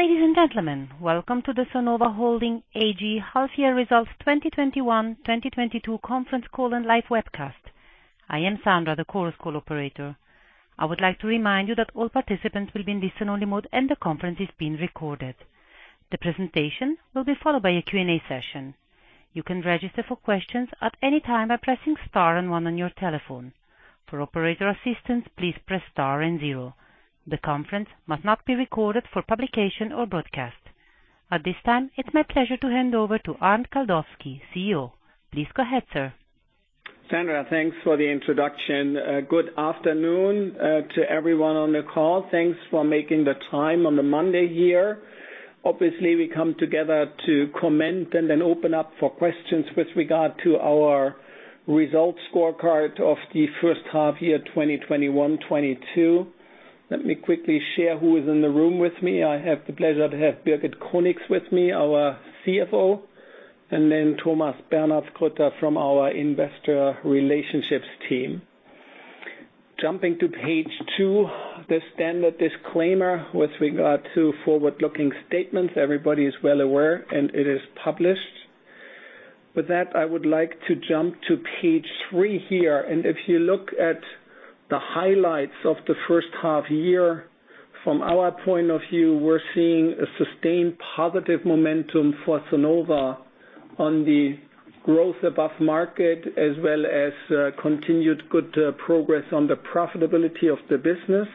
Ladies and gentlemen, welcome to the Sonova Holding AG half-year results 2021/2022 conference call and live webcast. I am Sandra, the Chorus Call operator. I would like to remind you that all participants will be in listen-only mode and the conference is being recorded. The presentation will be followed by a Q&A session. You can register for questions at any time by pressing star and one on your telephone. For operator assistance, please press star and zero. The conference must not be recorded for publication or broadcast. At this time, it's my pleasure to hand over to Arnd Kaldowski, CEO. Please go ahead, sir. Sandra, thanks for the introduction. Good afternoon to everyone on the call. Thanks for making the time on the Monday here. Obviously, we come together to comment and then open up for questions with regard to our results scorecard of the first half year, 2021/2022. Let me quickly share who is in the room with me. I have the pleasure to have Birgit Conix with me, our CFO, and then Thomas Bernhardsgrütter from our Investor Relations team. Jumping to page 2, the standard disclaimer with regard to forward-looking statements. Everybody is well aware, and it is published. With that, I would like to jump to page 3 here. If you look at the highlights of the first half year, from our point of view, we're seeing a sustained positive momentum for Sonova on the growth above market, as well as continued good progress on the profitability of the business.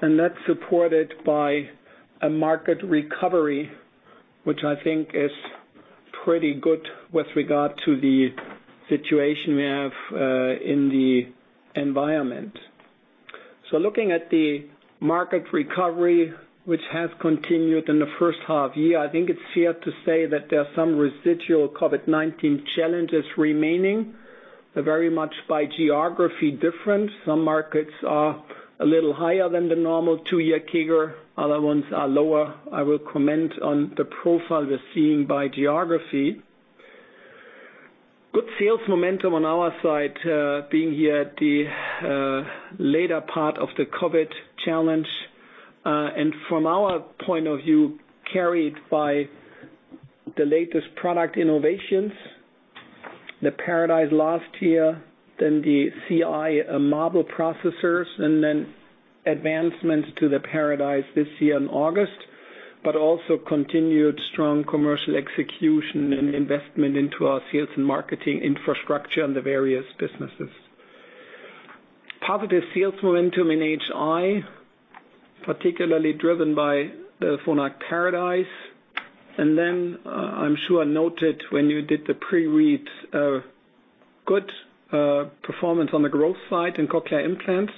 That's supported by a market recovery, which I think is pretty good with regard to the situation we have in the environment. Looking at the market recovery, which has continued in the first half year, I think it's fair to say that there are some residual COVID-19 challenges remaining, very much different by geography. Some markets are a little higher than the normal two-year CAGR, other ones are lower. I will comment on the profile we're seeing by geography. Good sales momentum on our side, being here at the later part of the COVID-19 challenge, and from our point of view, carried by the latest product innovations, the Paradise last year, then the Naída CI Marvel processors, and then advancements to the Paradise this year in August. Also continued strong commercial execution and investment into our sales and marketing infrastructure in the various businesses. Positive sales momentum in HI, particularly driven by the Phonak Paradise. I'm sure you noted when you did the pre-read, good performance on the growth side in cochlear implants,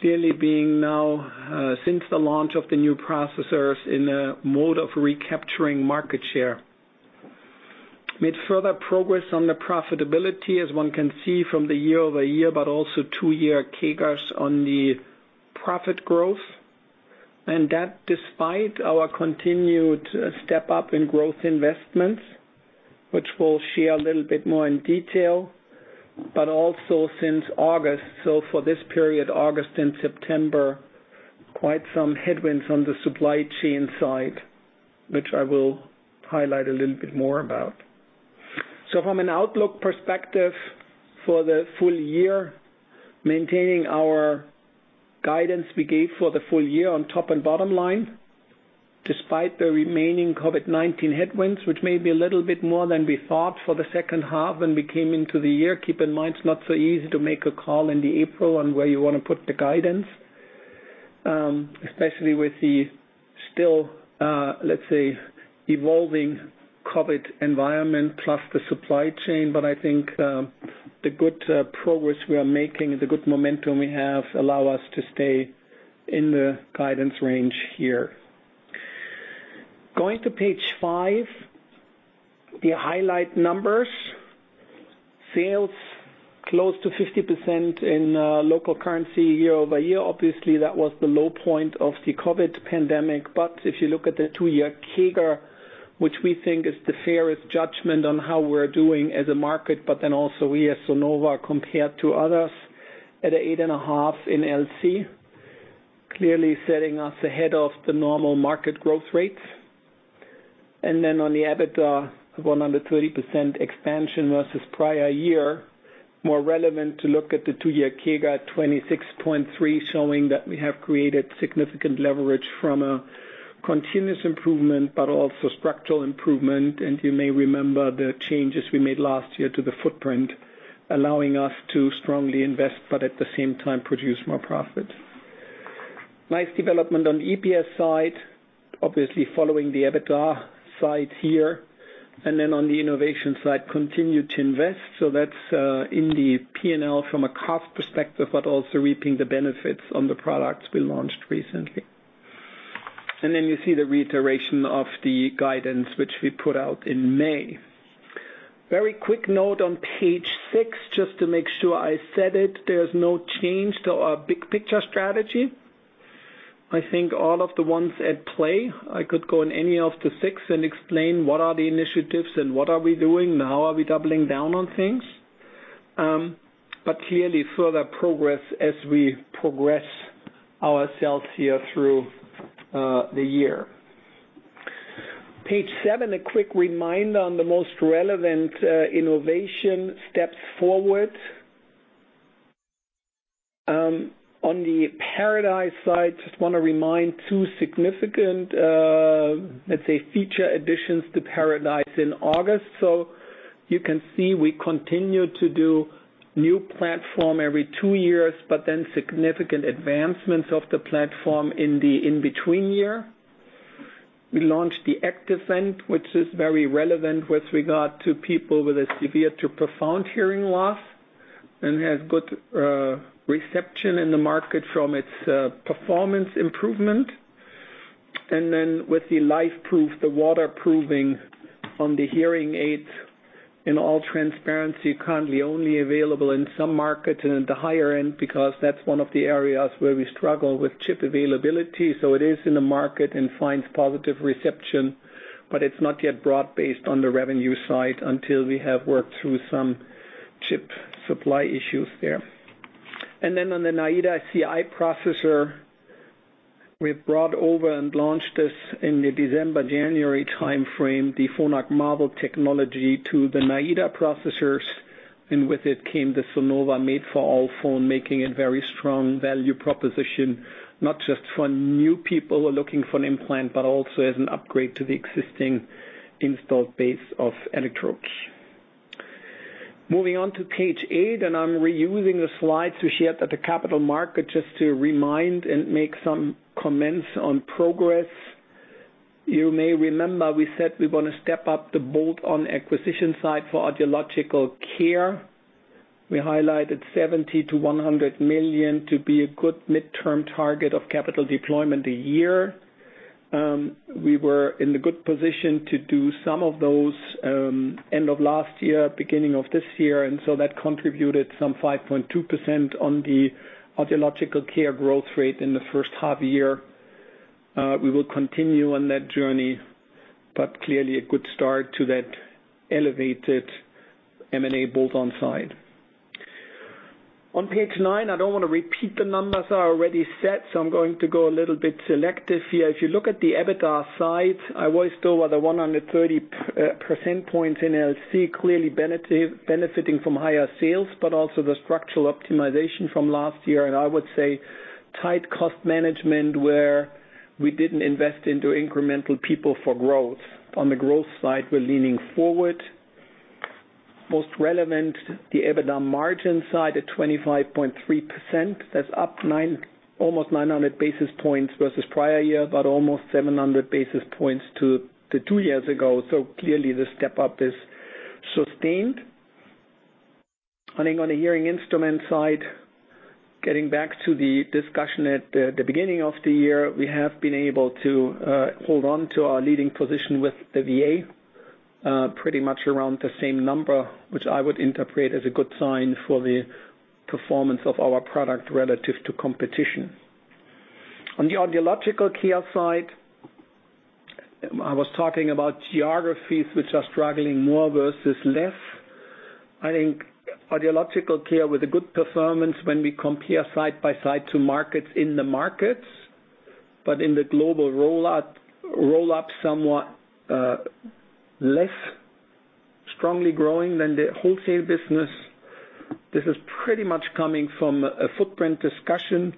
clearly being now, since the launch of the new processors in a mode of recapturing market share. made further progress on the profitability, as one can see from the year-over-year, but also two-year CAGRs on the profit growth, and that despite our continued step-up in growth investments, which we'll share a little bit more in detail. Also since August, so for this period, August and September, quite some headwinds on the supply chain side, which I will highlight a little bit more about. From an outlook perspective for the full year, maintaining our guidance we gave for the full year on top and bottom line, despite the remaining COVID-19 headwinds, which may be a little bit more than we thought for the second half when we came into the year. Keep in mind, it's not so easy to make a call in April on where you wanna put the guidance, especially with the still, let's say, evolving COVID-19 environment plus the supply chain. I think the good progress we are making, the good momentum we have allow us to stay in the guidance range here. Going to page 5, the highlight numbers. Sales close to 50% in local currency year-over-year. Obviously, that was the low point of the COVID-19 pandemic. If you look at the 2-year CAGR, which we think is the fairest judgment on how we're doing as a market, but then also we as Sonova compared to others at 8.5% in LC, clearly setting us ahead of the normal market growth rates. Then on the EBITDA, 130% expansion versus prior year. More relevant to look at the two-year CAGR at 26.3%, showing that we have created significant leverage from a continuous improvement, but also structural improvement. You may remember the changes we made last year to the footprint, allowing us to strongly invest, but at the same time produce more profit. Nice development on the EPS side, obviously following the EBITDA side here. Then on the innovation side, continue to invest. That's in the P&L from a cost perspective, but also reaping the benefits on the products we launched recently. You see the reiteration of the guidance which we put out in May. Very quick note on page six, just to make sure I said it, there's no change to our big picture strategy. I think all of the ones at play, I could go in any of the six and explain what are the initiatives and what are we doing now, how are we doubling down on things? Clearly further progress as we progress ourselves here through the year. Page seven, a quick reminder on the most relevant innovation steps forward. On the Paradise side, just wanna remind two significant, let's say feature additions to Paradise in August. You can see we continue to do new platform every two years, but then significant advancements of the platform in the in-between year. We launched the ActiveVent, which is very relevant with regard to people with a severe to profound hearing loss, and has good reception in the market from its performance improvement. With the Audéo Life, the waterproofing on the hearing aids in all transparency, currently only available in some markets and at the higher end because that's one of the areas where we struggle with chip availability. It is in the market and finds positive reception, but it's not yet broad-based on the revenue side until we have worked through some chip supply issues there. On the Naída CI processor, we've brought over and launched this in the December, January timeframe, the Phonak Marvel technology to the Naída processors, and with it came the Sonova Made For All phone, making it very strong value proposition, not just for new people who are looking for an implant, but also as an upgrade to the existing installed base of electrodes. Moving on to page eight, and I'm reusing the slides we shared at the capital market just to remind and make some comments on progress. You may remember we said we wanna step up the bolt-on acquisition side for audiological care. We highlighted 70-100 million to be a good midterm target of capital deployment a year. We were in the good position to do some of those, end of last year, beginning of this year, and so that contributed some 5.2% on the audiological care growth rate in the first half year. We will continue on that journey, but clearly a good start to that elevated M&A bolt-on side. On page nine, I don't wanna repeat the numbers I already said, so I'm going to go a little bit selective here. If you look at the EBITDA side, I was still at the 130 percentage points in LC, clearly benefiting from higher sales, but also the structural optimization from last year, and I would say tight cost management where we didn't invest into incremental people for growth. On the growth side, we're leaning forward. Most relevant, the EBITDA margin side at 25.3%. That's up almost 900 basis points versus prior year, but almost 700 basis points to two years ago. Clearly the step-up is sustained. I think on the hearing instrument side, getting back to the discussion at the beginning of the year, we have been able to hold on to our leading position with the VA pretty much around the same number, which I would interpret as a good sign for the performance of our product relative to competition. On the audiological care side, I was talking about geographies which are struggling more versus less. I think audiological care with a good performance when we compare side by side to markets in the markets, but in the global rollout, roll-up somewhat less strongly growing than the wholesale business. This is pretty much coming from a footprint discussion.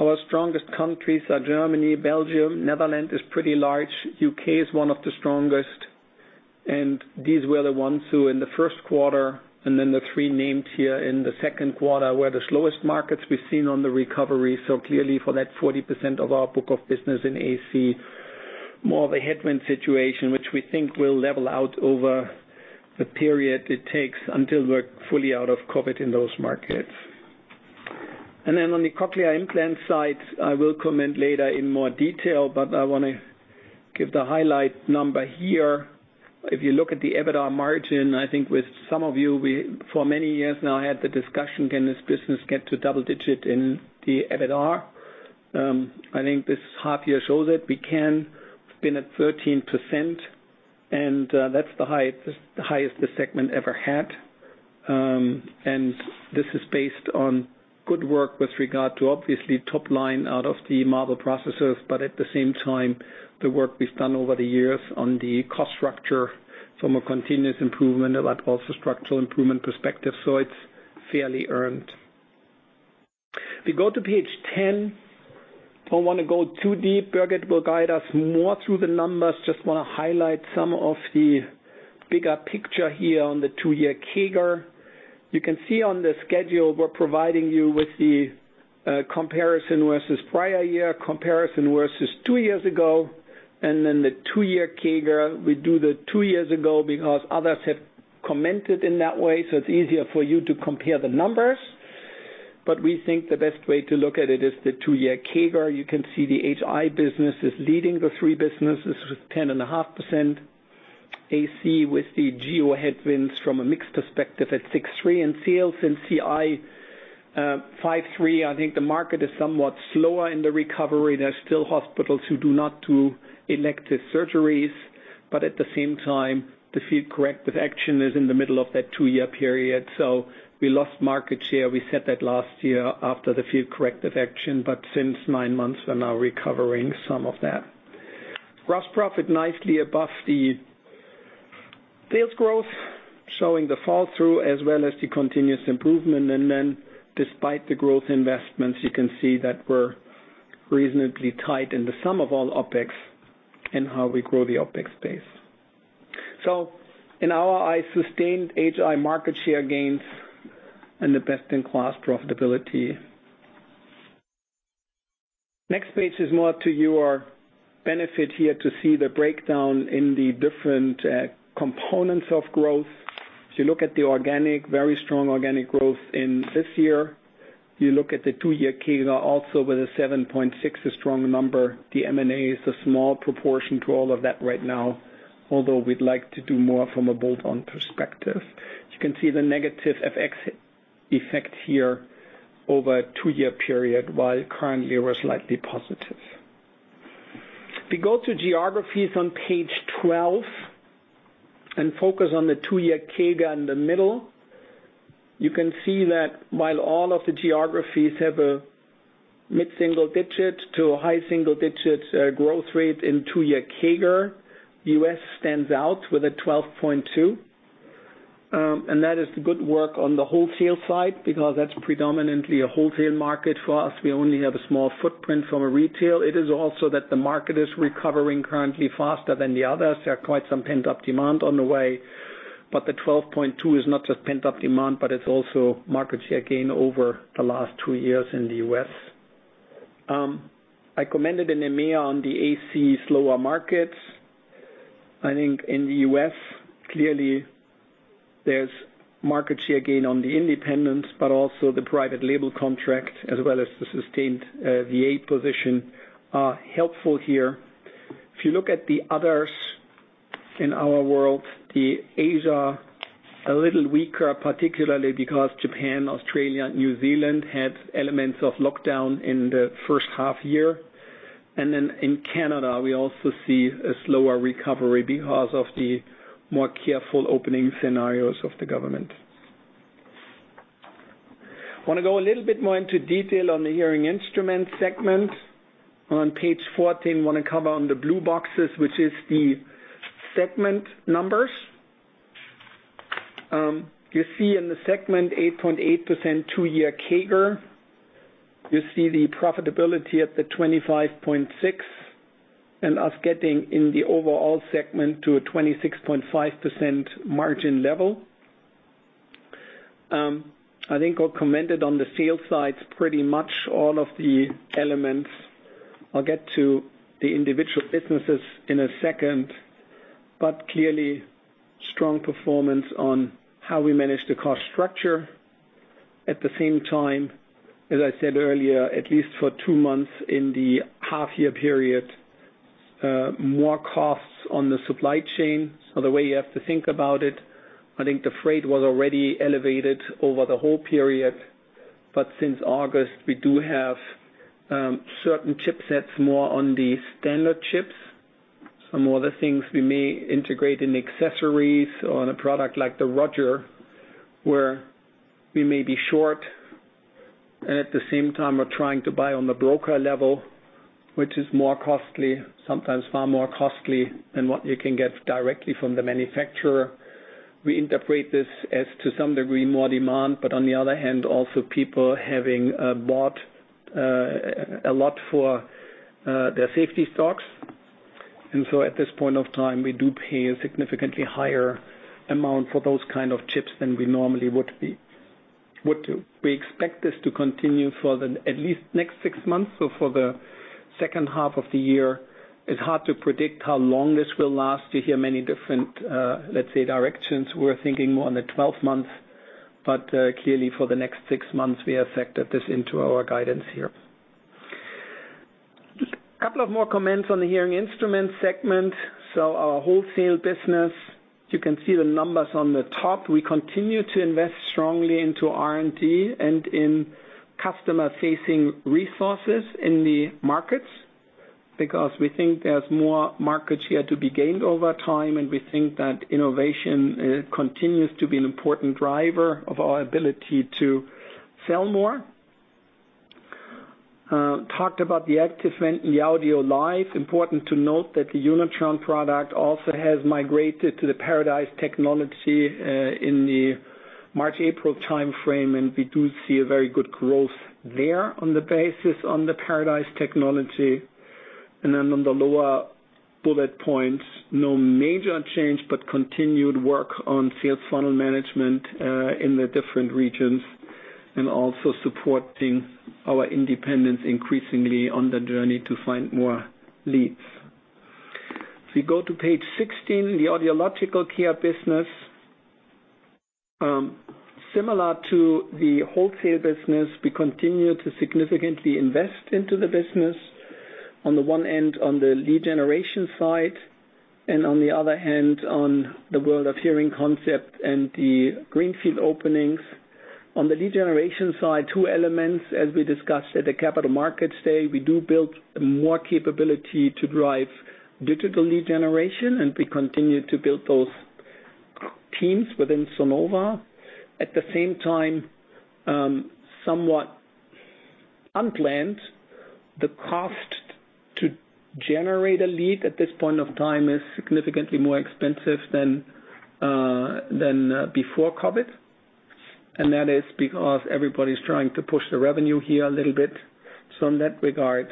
Our strongest countries are Germany, Belgium, Netherlands is pretty large. U.K. is one of the strongest, and these were the ones who in the first quarter, and then the three named here in the second quarter, were the slowest markets we've seen on the recovery. Clearly for that 40% of our book of business in AC, more of a headwind situation, which we think will level out over the period it takes until we're fully out of COVID in those markets. Then on the cochlear implant side, I will comment later in more detail, but I wanna give the highlight number here. If you look at the EBITDA margin, I think with some of you, we for many years now had the discussion, can this business get to double digit in the EBITDA? I think this half year shows it. We can. We've been at 13%, and that's the highest the segment ever had. This is based on good work with regard to obviously top line out of the Marvel processors, but at the same time, the work we've done over the years on the cost structure from a continuous improvement but also structural improvement perspective. It's fairly earned. We go to page 10. Don't wanna go too deep. Birgit will guide us more through the numbers. Just wanna highlight some of the bigger picture here on the two-year CAGR. You can see on the schedule we're providing you with the comparison versus prior year, comparison versus two years ago, and then the two-year CAGR. We do the two years ago because others have commented in that way, so it's easier for you to compare the numbers. We think the best way to look at it is the two-year CAGR. You can see the HI business is leading the three businesses with 10.5%. AC with the geo headwinds from a mix perspective at 6.3% in sales. In CI, 5.3%, I think the market is somewhat slower in the recovery. There are still hospitals who do not do elective surgeries. At the same time, the Field Corrective Action is in the middle of that two-year period. We lost market share. We said that last year after the Field Corrective Action, but since 9 months, we're now recovering some of that. Gross profit nicely above the sales growth, showing the fall through as well as the continuous improvement. Despite the growth investments, you can see that we're reasonably tight in the sum of all OpEx and how we grow the OpEx space. In our eyes, sustained HI market share gains and the best-in-class profitability. The next page is more to your benefit here to see the breakdown in the different components of growth. If you look at the organic, very strong organic growth in this year, you look at the two-year CAGR also with a 7.6%, a strong number. The M&A is a small proportion to all of that right now, although we'd like to do more from a bolt-on perspective. As you can see the negative FX effect here over a two-year period, while currently we're slightly positive. If we go to geographies on page 12 and focus on the two-year CAGR in the middle, you can see that while all of the geographies have a mid-single-digit to a high-single-digit growth rate in two-year CAGR, U.S. stands out with a 12.2%. That is the good work on the wholesale side because that's predominantly a wholesale market for us. We only have a small footprint from a retail. It is also that the market is recovering currently faster than the others. There are quite some pent-up demand on the way, but the 12.2% is not just pent-up demand, but it's also market share gain over the last 2 years in the U.S. I commented in EMEA on the AC slower markets. I think in the U.S., clearly there's market share gain on the independents, but also the private label contract as well as the sustained VA position are helpful here. If you look at the others in our world, that's Asia a little weaker, particularly because Japan, Australia, New Zealand had elements of lockdown in the first half year. In Canada, we also see a slower recovery because of the more careful opening scenarios of the government. Want to go a little bit more into detail on the hearing instrument segment. On page 14, want to cover on the blue boxes, which is the segment numbers. You see in the segment 8.8% two-year CAGR. You see the profitability at the 25.6, and us getting in the overall segment to a 26.5% margin level. I think I commented on the sales side, pretty much all of the elements. I'll get to the individual businesses in a second, but clearly strong performance on how we manage the cost structure. At the same time, as I said earlier, at least for two months in the half year period, more costs on the supply chain or the way you have to think about it. I think the freight was already elevated over the whole period. But since August, we do have certain chipsets more on the standard chips. Some other things we may integrate in accessories on a product like the Roger, where we may be short, and at the same time we're trying to buy on the broker level, which is more costly, sometimes far more costly than what you can get directly from the manufacturer. We integrate this as to some degree, more demand, but on the other hand, also people having bought a lot for their safety stocks. At this point of time, we do pay a significantly higher amount for those kind of chips than we normally would do. We expect this to continue for at least the next 6 months or for the second half of the year. It's hard to predict how long this will last. You hear many different, let's say, directions. We're thinking more on the 12 months, but clearly for the next 6 months, we have factored this into our guidance here. Just a couple of more comments on the hearing instrument segment. Our wholesale business, you can see the numbers on the top. We continue to invest strongly into R&D and in customer-facing resources in the markets because we think there's more market share to be gained over time, and we think that innovation continues to be an important driver of our ability to sell more. Talked about the ActiveVent in the Audéo Life. Important to note that the Unitron product also has migrated to the Paradise technology in the March, April timeframe, and we do see a very good growth there on the basis of the Paradise technology. On the lower bullet points, no major change, but continued work on sales funnel management in the different regions and also supporting our independents increasingly on the journey to find more leads. If we go to page 16, the audiological care business. Similar to the wholesale business, we continue to significantly invest into the business on the one end on the lead generation side, and on the other hand, on the World of Hearing concept and the greenfield openings. On the lead generation side, two elements as we discussed at the Capital Markets Day. We do build more capability to drive digital lead generation, and we continue to build those teams within Sonova. At the same time, somewhat unplanned, the cost to generate a lead at this point of time is significantly more expensive than before COVID-19. That is because everybody's trying to push the revenue here a little bit. In that regard,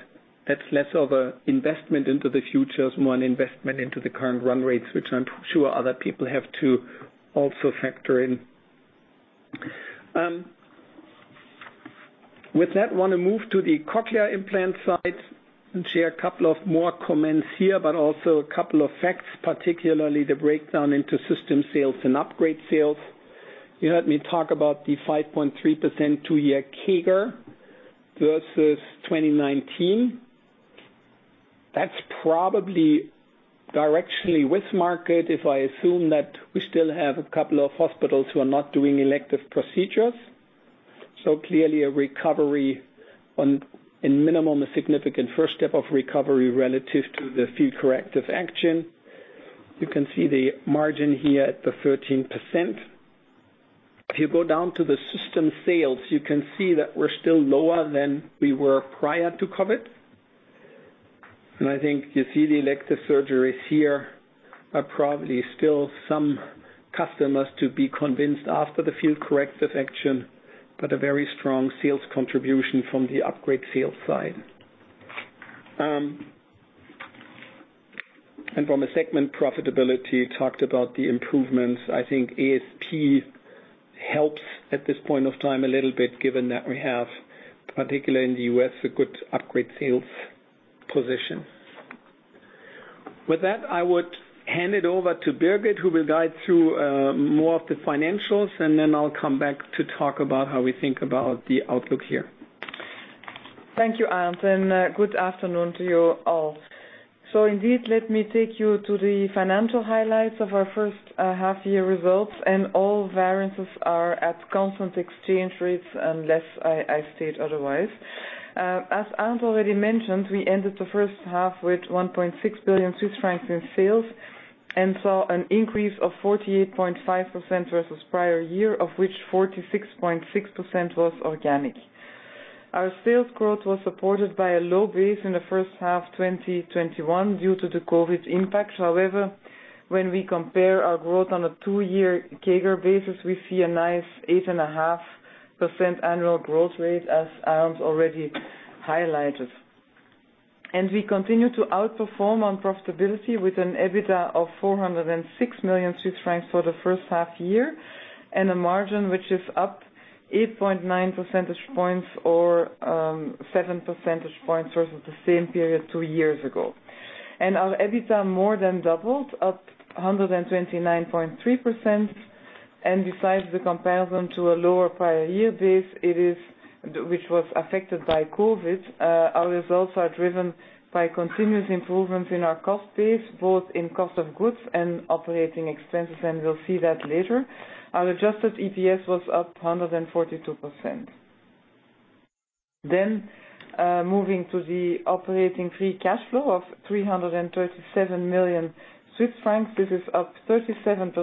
that's less of an investment into the future, it's more an investment into the current run rates, which I'm sure other people have to also factor in. With that, wanna move to the cochlear implant side and share a couple of more comments here, but also a couple of facts, particularly the breakdown into system sales and upgrade sales. You heard me talk about the 5.3% two-year CAGR versus 2019. That's probably directionally with market, if I assume that we still have a couple of hospitals who are not doing elective procedures. Clearly a recovery, in minimum, a significant first step of recovery relative to the Field Corrective Action. You can see the margin here at the 13%. If you go down to the system sales, you can see that we're still lower than we were prior to COVID-19. I think you see the elective surgeries here are probably still some customers to be convinced after the Field Corrective Action, but a very strong sales contribution from the upgrade sales side. From a segment profitability, talked about the improvements. I think ASP helps at this point of time a little bit, given that we have, particularly in the U.S., a good upgrade sales position. With that, I would hand it over to Birgit, who will guide through more of the financials, and then I'll come back to talk about how we think about the outlook here. Thank you, Arnd, and good afternoon to you all. Indeed, let me take you to the financial highlights of our first half year results, and all variances are at constant exchange rates, unless I state otherwise. As Arnd already mentioned, we ended the first half with 1.6 billion Swiss francs in sales and saw an increase of 48.5% versus prior year, of which 46.6% was organic. Our sales growth was supported by a low base in the first half 2021 due to the COVID impact. However, when we compare our growth on a two-year CAGR basis, we see a nice 8.5% annual growth rate, as Arnd already highlighted. We continue to outperform on profitability with an EBITDA of 406 million Swiss francs for the first half year, and a margin which is up 8.9 percentage points or seven percentage points versus the same period two years ago. Our EBITDA more than doubled, up 129.3%. Besides the comparison to a lower prior year base, it is, which was affected by COVID-19, our results are driven by continuous improvements in our cost base, both in cost of goods and operating expenses, and we'll see that later. Our adjusted EPS was up 142%. Moving to the operating free cash flow of 337 million Swiss francs. This is up 37%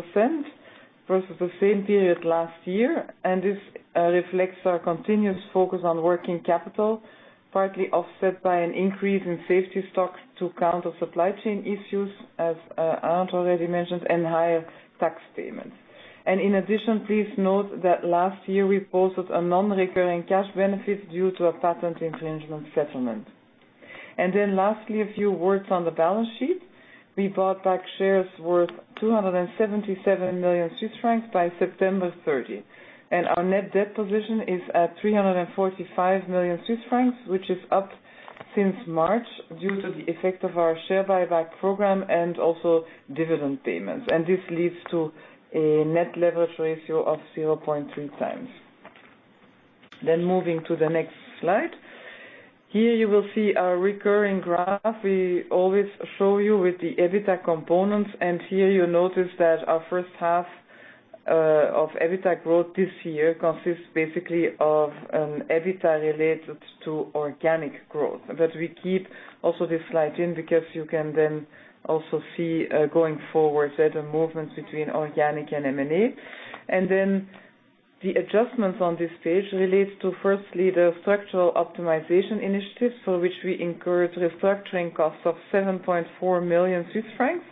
versus the same period last year. This reflects our continuous focus on working capital, partly offset by an increase in safety stocks to counter supply chain issues, as Arnd already mentioned, and higher tax payments. In addition, please note that last year we posted a non-recurring cash benefit due to a patent infringement settlement. Then lastly, a few words on the balance sheet. We bought back shares worth 277 million Swiss francs by September 30. Our net debt position is at 345 million Swiss francs, which is up since March due to the effect of our share buyback program and also dividend payments. This leads to a net leverage ratio of 0.3 times. Moving to the next slide. Here you will see our recurring graph we always show you with the EBITDA components. Here you'll notice that our first half of EBITDA growth this year consists basically of an EBITDA related to organic growth. We keep also this slide in because you can then also see going forward certain movements between organic and M&A. Then the adjustments on this page relate to, firstly, the structural optimization initiatives for which we incurred restructuring costs of 7.4 million Swiss francs.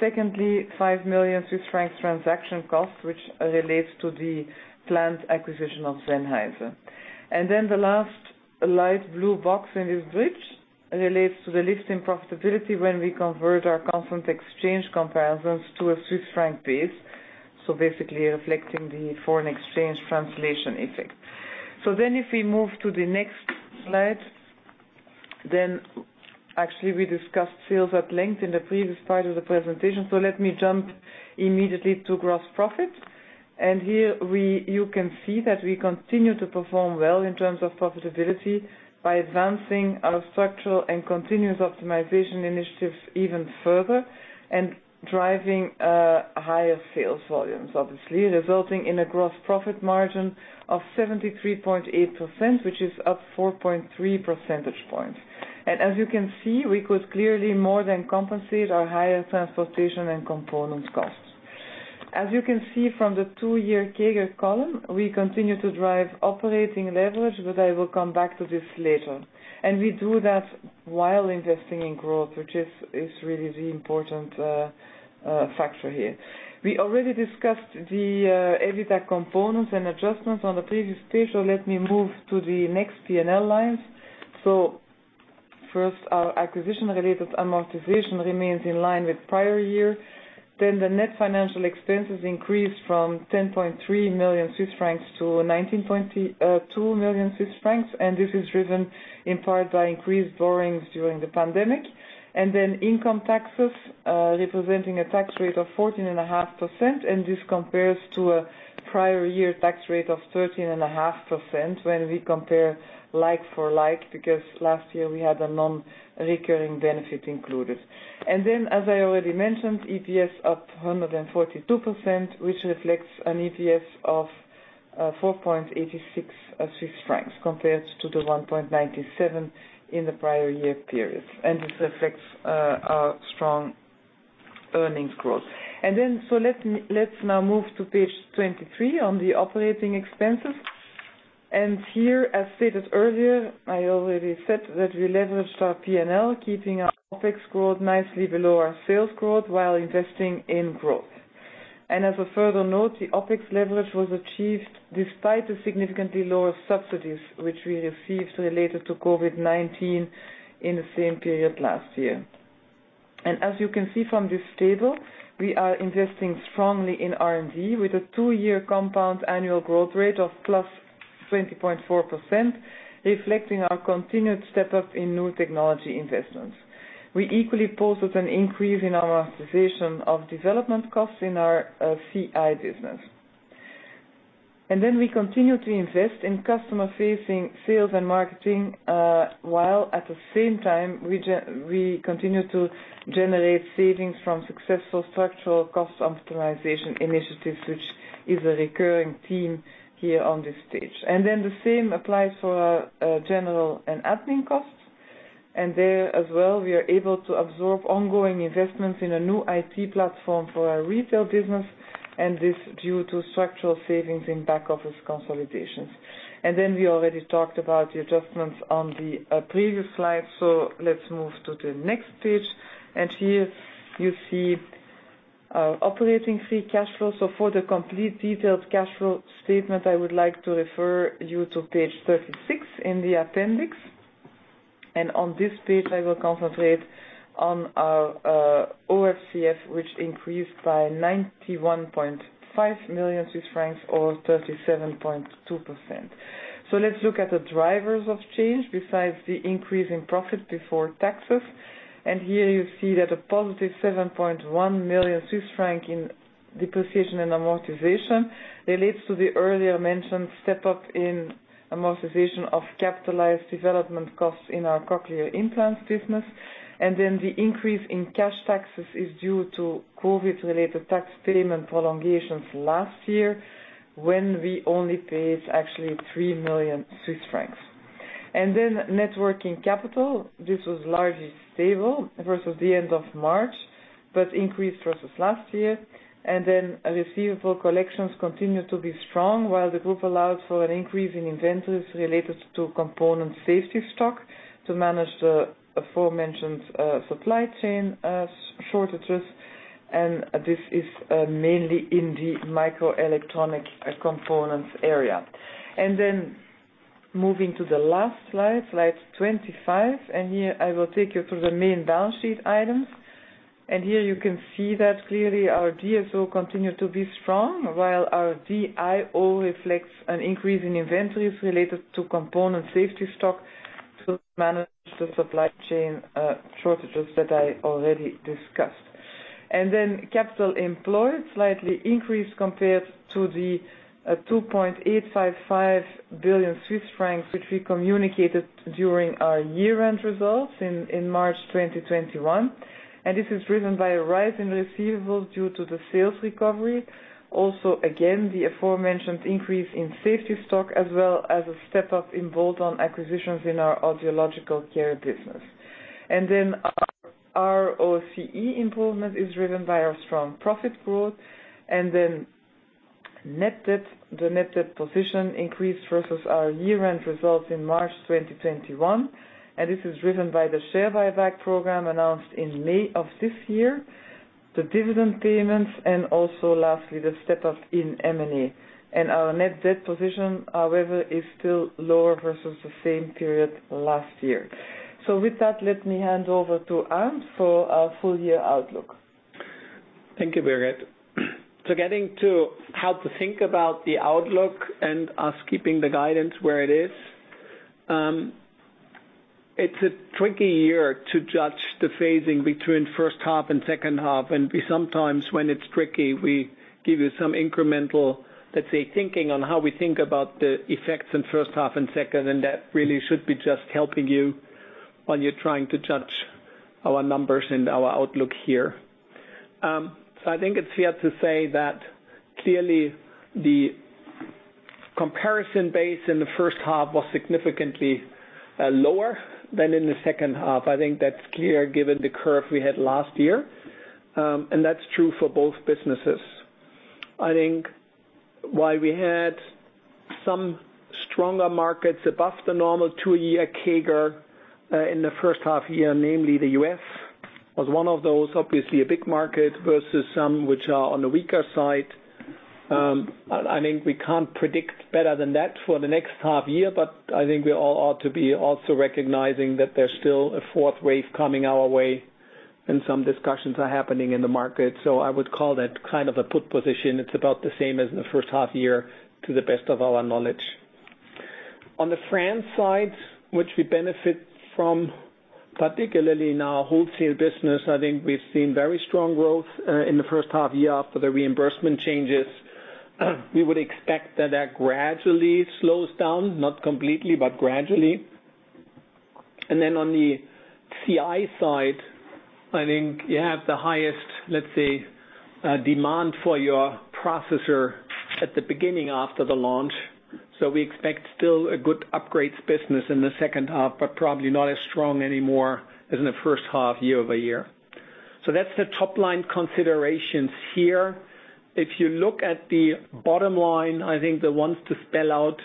Secondly, 5 million Swiss francs transaction costs, which relate to the planned acquisition of Sennheiser. Then the last light blue box in this bridge relates to the lift in profitability when we convert our constant exchange comparisons to a Swiss franc base, so basically reflecting the foreign exchange translation effect. If we move to the next slide, actually, we discussed sales at length in the previous part of the presentation, so let me jump immediately to gross profit. Here, you can see that we continue to perform well in terms of profitability by advancing our structural and continuous optimization initiatives even further and driving higher sales volumes, obviously, resulting in a gross profit margin of 73.8%, which is up 4.3 percentage points. As you can see, we could clearly more than compensate our higher transportation and components costs. As you can see from the two-year CAGR column, we continue to drive operating leverage, but I will come back to this later. We do that while investing in growth, which is really the important factor here. We already discussed the EBITDA components and adjustments on the previous page, so let me move to the next P&L lines. First, our acquisition-related amortization remains in line with prior year. The net financial expenses increased from 10.3 million Swiss francs to 19.2 million Swiss francs. This is driven in part by increased borrowings during the pandemic. Income taxes representing a tax rate of 14.5%. This compares to a prior year tax rate of 13.5% when we compare like for like, because last year we had a non-recurring benefit included. As I already mentioned, EPS up 142%, which reflects an EPS of 4.86 Swiss francs compared to the 1.97 in the prior year period. This reflects our strong earnings growth. Let's now move to page 23 on the operating expenses. Here, as stated earlier, I already said that we leveraged our P&L, keeping our OpEx growth nicely below our sales growth while investing in growth. As a further note, the OpEx leverage was achieved despite the significantly lower subsidies which we received related to COVID-19 in the same period last year. As you can see from this table, we are investing strongly in R&D with a two-year compound annual growth rate of +20.4%, reflecting our continued step up in new technology investments. We equally posted an increase in our amortization of development costs in our CI business. We continue to invest in customer-facing sales and marketing, while at the same time we continue to generate savings from successful structural cost optimization initiatives, which is a recurring theme here on this page. The same applies for our general and admin costs. There as well, we are able to absorb ongoing investments in a new IT platform for our retail business, and this due to structural savings in back office consolidations. We already talked about the adjustments on the previous slide, so let's move to the next page. Here you see our operating free cash flow. For the complete detailed cash flow statement, I would like to refer you to page 36 in the appendix. On this page, I will concentrate on our OFCF, which increased by 91.5 million Swiss francs or 37.2%. Let's look at the drivers of change besides the increase in profit before taxes. Here you see that a positive 7.1 million Swiss franc in depreciation and amortization relates to the earlier mentioned step up in amortization of capitalized development costs in our cochlear implants business. The increase in cash taxes is due to COVID-19-related tax payment prolongations last year when we only paid actually 3 million Swiss francs. Net working capital, this was largely stable versus the end of March, but increased versus last year. Receivable collections continued to be strong while the group allowed for an increase in inventories related to component safety stock to manage the aforementioned supply chain shortages. This is mainly in the microelectronic components area. Moving to the last slide 25, here I will take you through the main balance sheet items. Here you can see that clearly our DSO continued to be strong, while our DIO reflects an increase in inventories related to component safety stock to manage the supply chain shortages that I already discussed. Capital employed slightly increased compared to the 2.855 billion Swiss francs, which we communicated during our year-end results in March 2021. This is driven by a rise in receivables due to the sales recovery, also again the aforementioned increase in safety stock as well as a step up in bolt-on acquisitions in our audiological care business. Our ROCE improvement is driven by our strong profit growth. Net debt, the net debt position increased versus our year-end results in March 2021, and this is driven by the share buyback program announced in May of this year, the dividend payments, and also lastly, the step up in M&A. Our net debt position, however, is still lower versus the same period last year. With that, let me hand over to Arnd for our full year outlook. Thank you, Birgit. Getting to how to think about the outlook and us keeping the guidance where it is, it's a tricky year to judge the phasing between first half and second half. Sometimes when it's tricky, we give you some incremental, let's say, thinking on how we think about the effects in first half and second, and that really should be just helping you when you're trying to judge our numbers and our outlook here. I think it's fair to say that clearly the comparison base in the first half was significantly lower than in the second half. I think that's clear given the curve we had last year. That's true for both businesses. I think while we had some stronger markets above the normal two-year CAGR in the first half year, namely the U.S. was one of those, obviously a big market versus some which are on the weaker side. I think we can't predict better than that for the next half year, but I think we all ought to be also recognizing that there's still a fourth wave coming our way and some discussions are happening in the market. I would call that kind of a put position. It's about the same as the first half year to the best of our knowledge. On the France side, which we benefit from, particularly in our wholesale business, I think we've seen very strong growth in the first half year after the reimbursement changes. We would expect that gradually slows down, not completely, but gradually. On the CI side, I think you have the highest, let's say, demand for your processor at the beginning after the launch. We expect still a good upgrades business in the second half, but probably not as strong anymore as in the first half year-over-year. That's the top-line considerations here. If you look at the bottom line, I think the ones to spell out,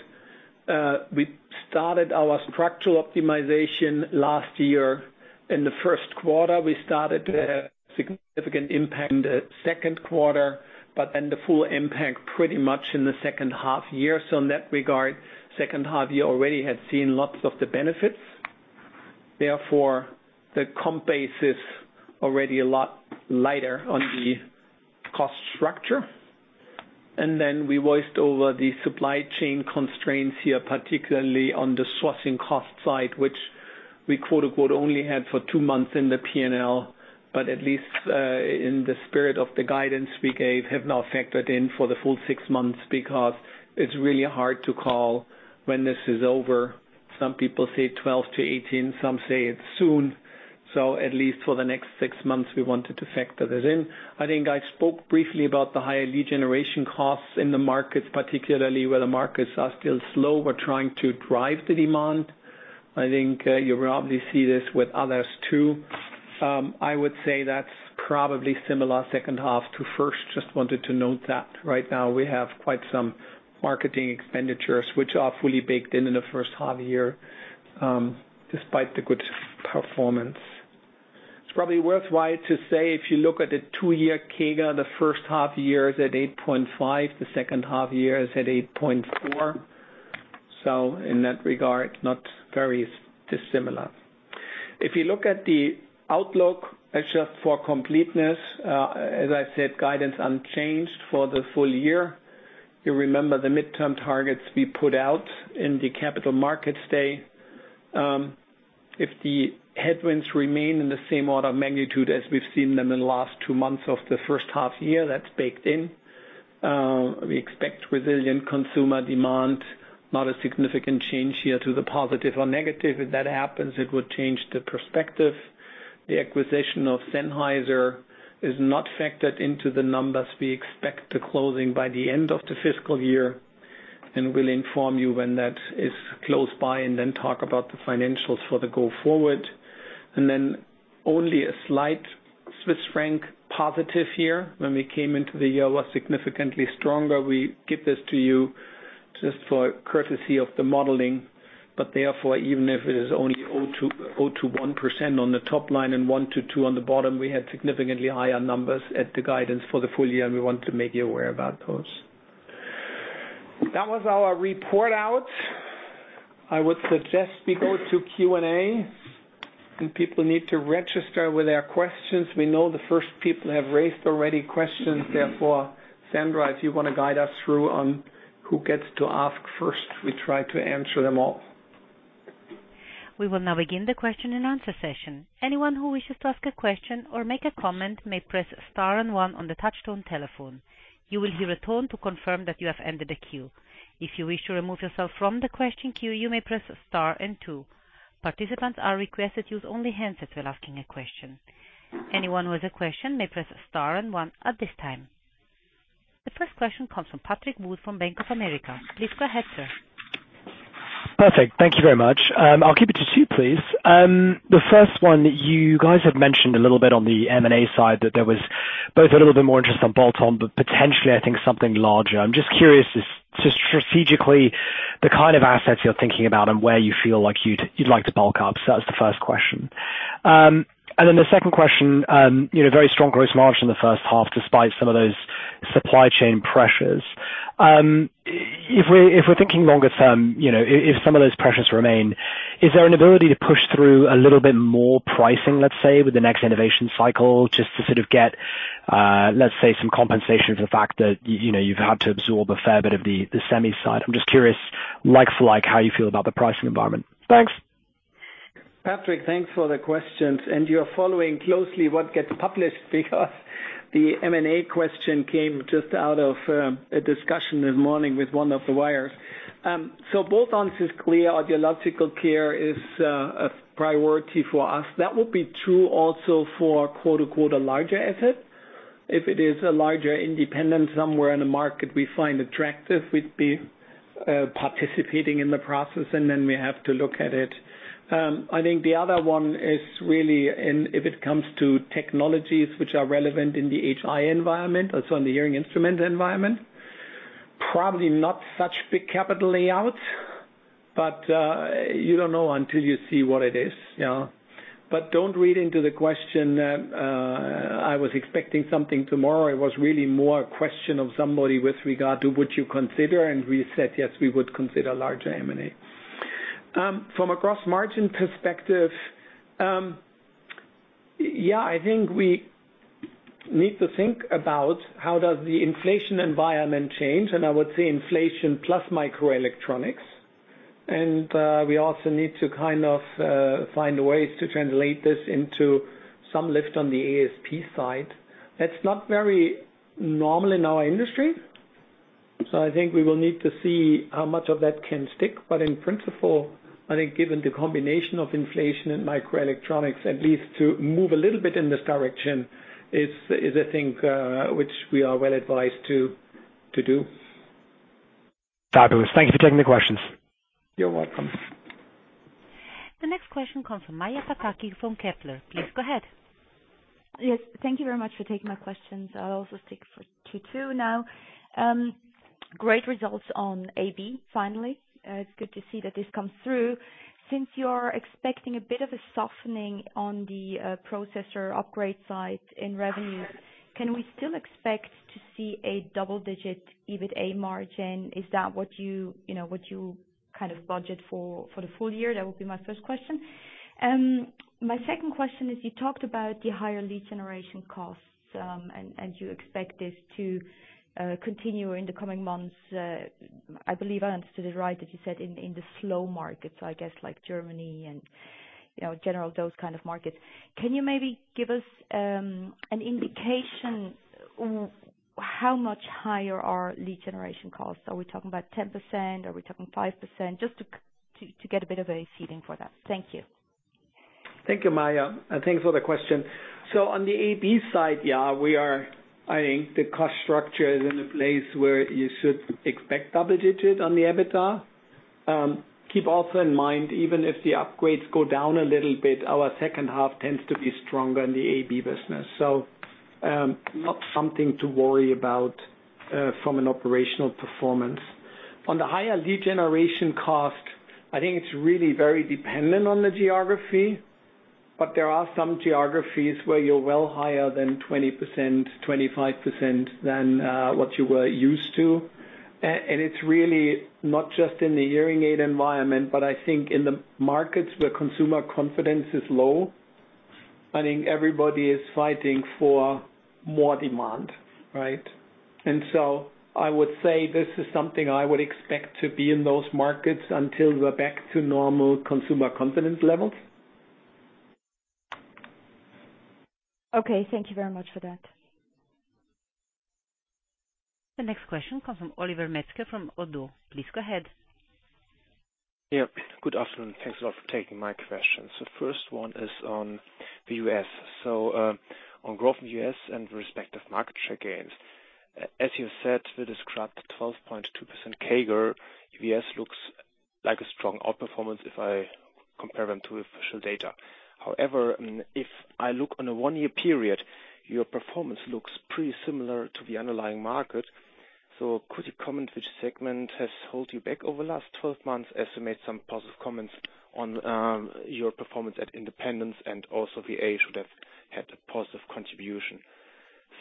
we started our structural optimization last year. In the first quarter, we started to have significant impact in the second quarter, but then the full impact pretty much in the second half year. In that regard, second half year already had seen lots of the benefits. Therefore, the comp base is already a lot lighter on the cost structure. Then we voiced over the supply chain constraints here, particularly on the sourcing cost side, which we quote-unquote, "Only had for 2 months in the P&L." At least, in the spirit of the guidance we gave, have now factored in for the full 6 months because it's really hard to call when this is over. Some people say 12-18, some say it's soon. At least for the next 6 months we wanted to factor it in. I think I spoke briefly about the higher lead generation costs in the markets, particularly where the markets are still slow. We're trying to drive the demand. I think, you will obviously see this with others, too. I would say that's probably similar second half to first. Just wanted to note that right now we have quite some marketing expenditures which are fully baked in in the first half year, despite the good performance. It's probably worthwhile to say if you look at the two-year CAGR, the first half year is at 8.5%, the second half year is at 8.4%. In that regard, not very dissimilar. If you look at the outlook, just for completeness, as I said, guidance unchanged for the full year. You remember the midterm targets we put out in the capital markets day. If the headwinds remain in the same order of magnitude as we've seen them in the last two months of the first half year, that's baked in. We expect resilient consumer demand, not a significant change here to the positive or negative. If that happens, it would change the perspective. The acquisition of Sennheiser is not factored into the numbers. We expect the closing by the end of the fiscal year, and we'll inform you when that is close by and then talk about the financials for the go forward. Only a slight Swiss franc positive here. When we came into the year, it was significantly stronger. We give this to you just for courtesy of the modeling, but therefore even if it is only 0%-0.1% on the top line and 1%-2% on the bottom, we had significantly higher numbers at the guidance for the full year, and we want to make you aware about those. That was our report out. I would suggest we go to Q&A, and people need to register with their questions. We know the first people have already raised questions. Therefore, Sandra, if you wanna guide us through on who gets to ask first, we try to answer them all. We will now begin the question and answer session. Anyone who wishes to ask a question or make a comment may press star and one on the touchtone telephone. You will hear a tone to confirm that you have entered the queue. If you wish to remove yourself from the question queue, you may press star and two. Participants are requested to use only handsets when asking a question. Anyone with a question may press star and one at this time. The first question comes from Patrick Wu from Bank of America. Please go ahead, sir. Perfect. Thank you very much. I'll keep it to two, please. The first one, you guys have mentioned a little bit on the M&A side that there was both a little bit more interest on bolt-on, but potentially I think something larger. I'm just curious as to strategically the kind of assets you're thinking about and where you feel like you'd like to bulk up. That's the first question. The second question, you know, very strong gross margin in the first half despite some of those supply chain pressures. If we're thinking longer term, you know, if some of those pressures remain, is there an ability to push through a little bit more pricing, let's say, with the next innovation cycle, just to sort of get, let's say, some compensation for the fact that you know, you've had to absorb a fair bit of the semi side? I'm just curious, like for like, how you feel about the pricing environment. Thanks. Patrick, thanks for the questions. You're following closely what gets published because the M&A question came just out of a discussion this morning with one of the wires. Both answers clear, audiological care is a priority for us. That would be true also for quote-unquote a larger asset. If it is a larger independent somewhere in the market we find attractive, we'd be participating in the process, and then we have to look at it. I think the other one is really if it comes to technologies which are relevant in the HI environment, also in the hearing instrument environment, probably not such big capital outlay, but you don't know until you see what it is. Yeah. Don't read into the question. I was expecting something tomorrow. It was really more a question of somebody with regard to would you consider, and we said, yes, we would consider larger M&A. From a gross margin perspective, yeah, I think we need to think about how does the inflation environment change, and I would say inflation plus microelectronics. We also need to kind of find ways to translate this into some lift on the ASP side. That's not very normal in our industry, so I think we will need to see how much of that can stick. In principle, I think given the combination of inflation and microelectronics, at least to move a little bit in this direction is I think which we are well advised to do. Fabulous. Thank you for taking the questions. You're welcome. The next question comes from Maja Pataki from Kepler Cheuvreux. Please go ahead. Yes, thank you very much for taking my questions. I'll also stick to Q2 now. Great results on AB, finally. It's good to see that this comes through. Since you're expecting a bit of a softening on the processor upgrade side in revenue, can we still expect to see a double-digit EBITDA margin? Is that what you know what you kind of budget for for the full year? That would be my first question. My second question is, you talked about the higher lead generation costs and you expect this to continue in the coming months. I believe I understood it right, that you said in the slow markets, I guess, like Germany and you know general, those kind of markets. Can you maybe give us an indication how much higher are lead generation costs? Are we talking about 10%? Are we talking 5%? Just to get a bit of a feeling for that. Thank you. Thank you, Maja. Thanks for the question. On the AB side, I think the cost structure is in a place where you should expect double-digit on the EBITDA. Keep also in mind, even if the upgrades go down a little bit, our second half tends to be stronger in the AB business. Not something to worry about from an operational performance. On the higher lead generation cost, I think it's really very dependent on the geography, but there are some geographies where you're well higher than 20%, 25% than what you were used to. It's really not just in the hearing aid environment, but I think in the markets where consumer confidence is low, I think everybody is fighting for more demand, right? I would say this is something I would expect to be in those markets until we're back to normal consumer confidence levels. Okay. Thank you very much for that. The next question comes from Oliver Metzger from ODDO BHF. Please go ahead. Good afternoon. Thanks a lot for taking my questions. The first one is on the U.S. On growth in U.S. and respective market share gains. As you said, you described 12.2% CAGR. U.S. looks like a strong outperformance if I compare them to official data. However, if I look on a one-year period, your performance looks pretty similar to the underlying market. Could you comment which segment has held you back over the last 12 months, estimate some positive comments on your performance at independent, and also VA should have had a positive contribution.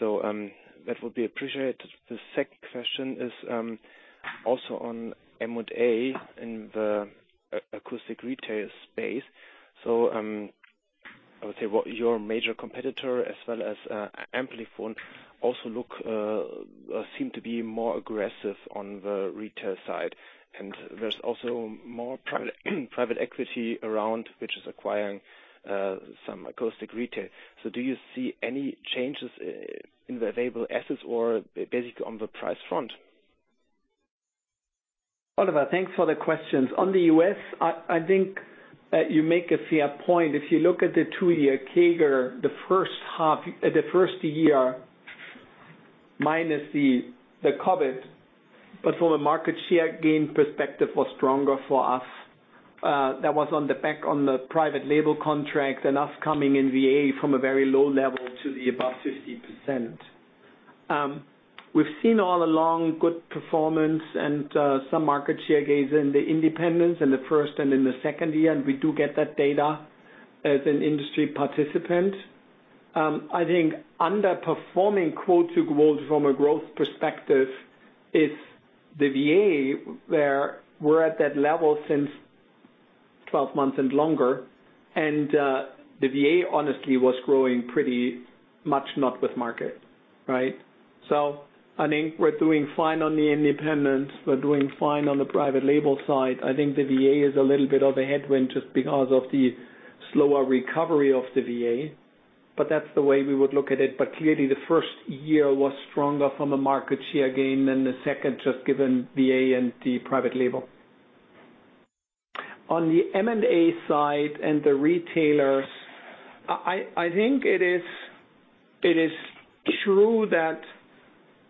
That would be appreciated. The second question is also on M&A in the audiological retail space. I would say that your major competitor as well as Amplifon also seem to be more aggressive on the retail side. There's also more private equity around which is acquiring some acoustic retail. Do you see any changes in the available assets or basic on the price front? Oliver, thanks for the questions. On the U.S., I think that you make a fair point. If you look at the two-year CAGR, the first year minus the COVID-19, but from a market share gain perspective was stronger for us. That was on the back of the private label contract and us coming in VA from a very low level to above 50%. We've seen all along good performance and some market share gains in the independents in the first and in the second year, and we do get that data as an industry participant. I think underperforming quote unquote from a growth perspective is the VA where we're at that level since 12 months and longer, and the VA honestly was growing pretty much not with market, right? I think we're doing fine on the independents. We're doing fine on the private label side. I think the VA is a little bit of a headwind just because of the slower recovery of the VA, but that's the way we would look at it. Clearly, the first year was stronger from a market share gain than the second, just given VA and the private label. On the M&A side and the retailers, I think it is true that,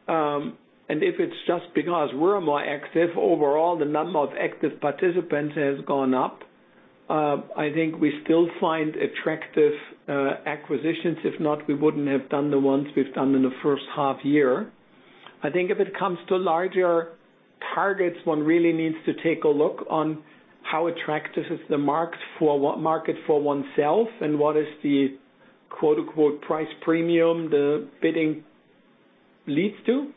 and if it's just because we're more active overall, the number of active participants has gone up. I think we still find attractive acquisitions. If not, we wouldn't have done the ones we've done in the first half year. I think if it comes to larger targets, one really needs to take a look on how attractive is the market for oneself and what is the quote unquote price premium the bidding leads to.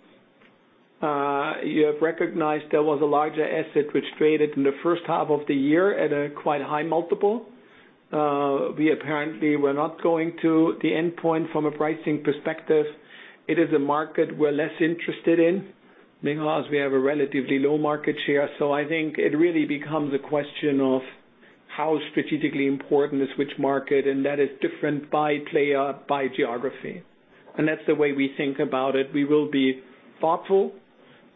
You have recognized there was a larger asset which traded in the first half of the year at a quite high multiple. We apparently were not going to the endpoint from a pricing perspective. It is a market we're less interested in because we have a relatively low market share. I think it really becomes a question of how strategically important is which market, and that is different by player, by geography, and that's the way we think about it. We will be thoughtful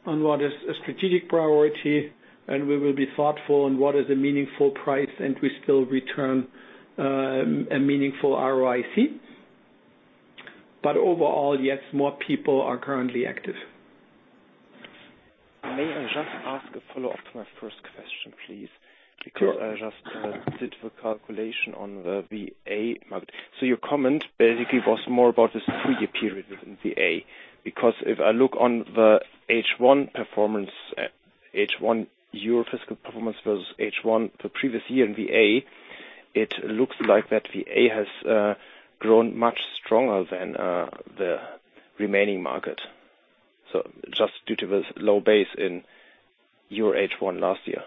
on what is a strategic priority, and we will be thoughtful on what is a meaningful price, and we still return a meaningful ROIC. Overall, yes, more people are currently active. May I just ask a follow-up to my first question, please? Sure. I just did the calculation on the VA market. Your comment basically was more about this three-year period within VA. If I look at the H1 performance, your fiscal performance versus H1 the previous year in VA, it looks like that VA has grown much stronger than the remaining market. Just due to the low base in your H1 last year.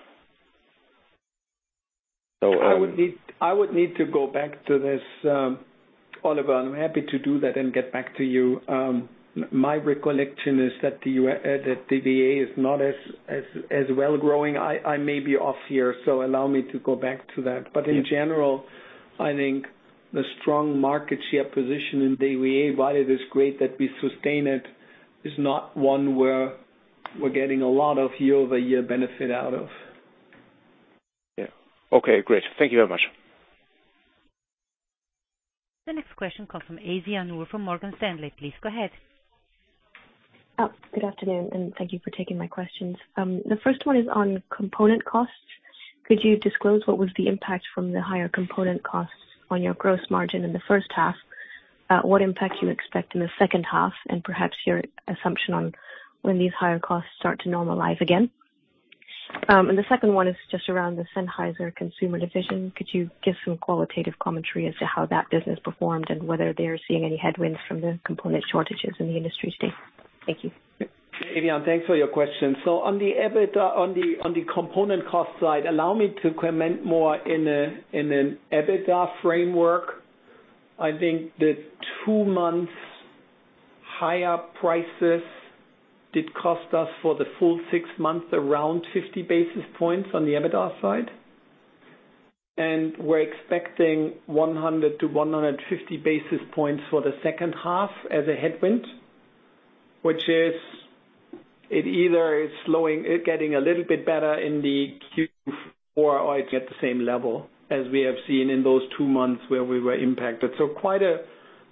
I would need to go back to this, Oliver. I'm happy to do that and get back to you. My recollection is that the VA is not as well growing. I may be off here, so allow me to go back to that. Yeah. In general, I think the strong market share position in the VA, while it is great that we sustain it, is not one where we're getting a lot of year-over-year benefit out of. Yeah. Okay, great. Thank you very much. The next question comes from Hassan Al-Wakeel from Morgan Stanley. Please go ahead. Oh, good afternoon, and thank you for taking my questions. The first one is on component costs. Could you disclose what was the impact from the higher component costs on your gross margin in the first half? What impact you expect in the second half, and perhaps your assumption on when these higher costs start to normalize again? The second one is just around the Sennheiser consumer division. Could you give some qualitative commentary as to how that business performed and whether they are seeing any headwinds from the component shortages in the industry today? Thank you. Hassan Al-Wakeel, thanks for your question. On the component cost side, allow me to comment more in an EBITDA framework. I think the two months higher prices did cost us for the full six months, around 50 basis points on the EBITDA side. We're expecting 100 to 150 basis points for the second half as a headwind, which is either slowing, getting a little bit better in the Q4 or it's at the same level as we have seen in those two months where we were impacted. Quite a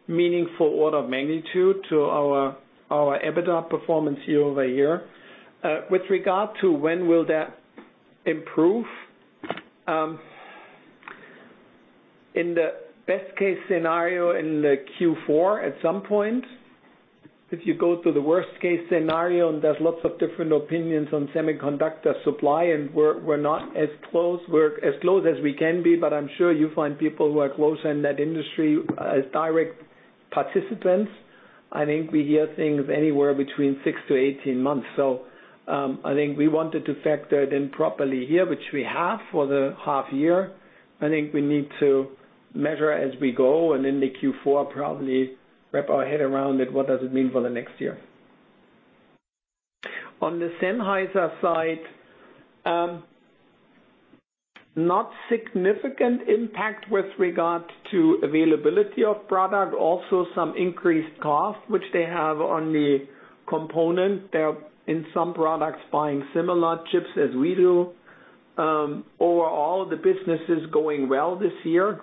meaningful order of magnitude to our EBITDA performance year-over-year. With regard to when will that improve, in the best case scenario, in the Q4 at some point. If you go to the worst-case scenario, and there's lots of different opinions on semiconductor supply, and we're not as close. We're as close as we can be, but I'm sure you find people who are closer in that industry as direct participants. I think we hear things anywhere between 6-18 months. I think we wanted to factor it in properly here, which we have for the half year. I think we need to measure as we go and in the Q4 probably wrap our head around it. What does it mean for the next year? On the Sennheiser side, not significant impact with regard to availability of product. Also some increased cost, which they have on the component. They're, in some products, buying similar chips as we do. Overall, the business is going well this year.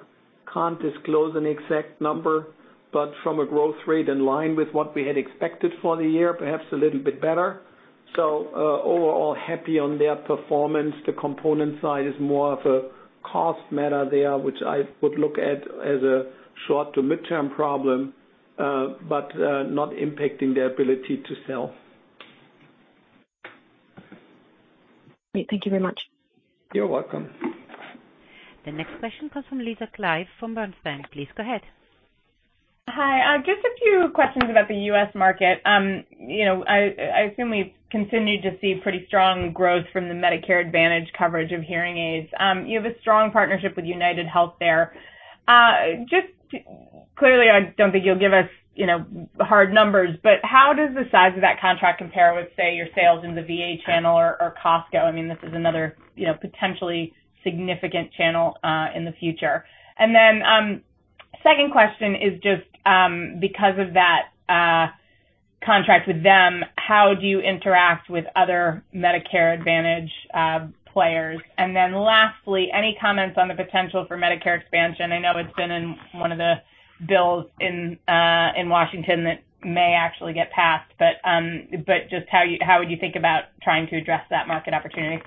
Can't disclose an exact number, but from a growth rate in line with what we had expected for the year, perhaps a little bit better. Overall happy on their performance. The component side is more of a cost matter there, which I would look at as a short to midterm problem, but not impacting their ability to sell. Great. Thank you very much. You're welcome. The next question comes from Lisa Clive from Bernstein. Please go ahead. Hi. Just a few questions about the U.S. market. You know, I assume we continue to see pretty strong growth from the Medicare Advantage coverage of hearing aids. You have a strong partnership with UnitedHealth there. Just clearly, I don't think you'll give us, you know, hard numbers, but how does the size of that contract compare with, say, your sales in the VA channel or Costco? I mean, this is another, you know, potentially significant channel in the future. Then, second question is just, because of that contract with them, how do you interact with other Medicare Advantage players? Then lastly, any comments on the potential for Medicare expansion? I know it's been in one of the bills in Washington that may actually get passed, but just how would you think about trying to address that market opportunity?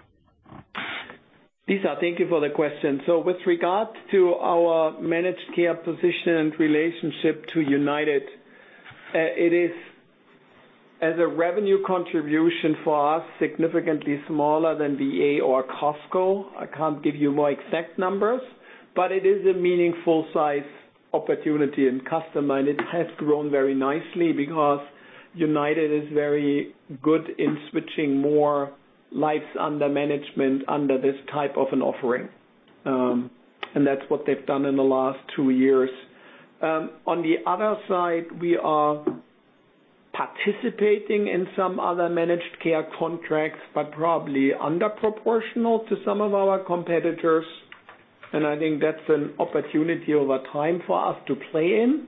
Lisa, thank you for the question. With regards to our managed care position and relationship to United, it is as a revenue contribution for us, significantly smaller than VA or Costco. I can't give you more exact numbers, but it is a meaningful size opportunity in customer, and it has grown very nicely because United is very good in switching more lives under management under this type of an offering. That's what they've done in the last two years. On the other side, we are participating in some other managed care contracts, but probably under proportional to some of our competitors. I think that's an opportunity over time for us to play in.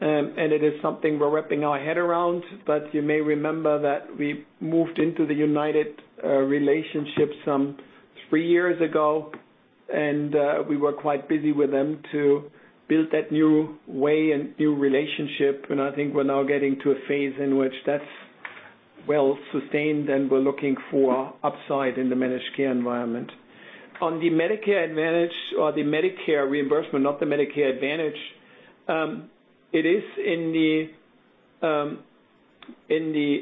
It is something we're wrapping our head around. You may remember that we moved into the UnitedHealth relationship 3 years ago, and we were quite busy with them to build that new way and new relationship. I think we're now getting to a phase in which that's well-sustained, and we're looking for upside in the managed care environment. On the Medicare Advantage or the Medicare reimbursement, not the Medicare Advantage, it is in the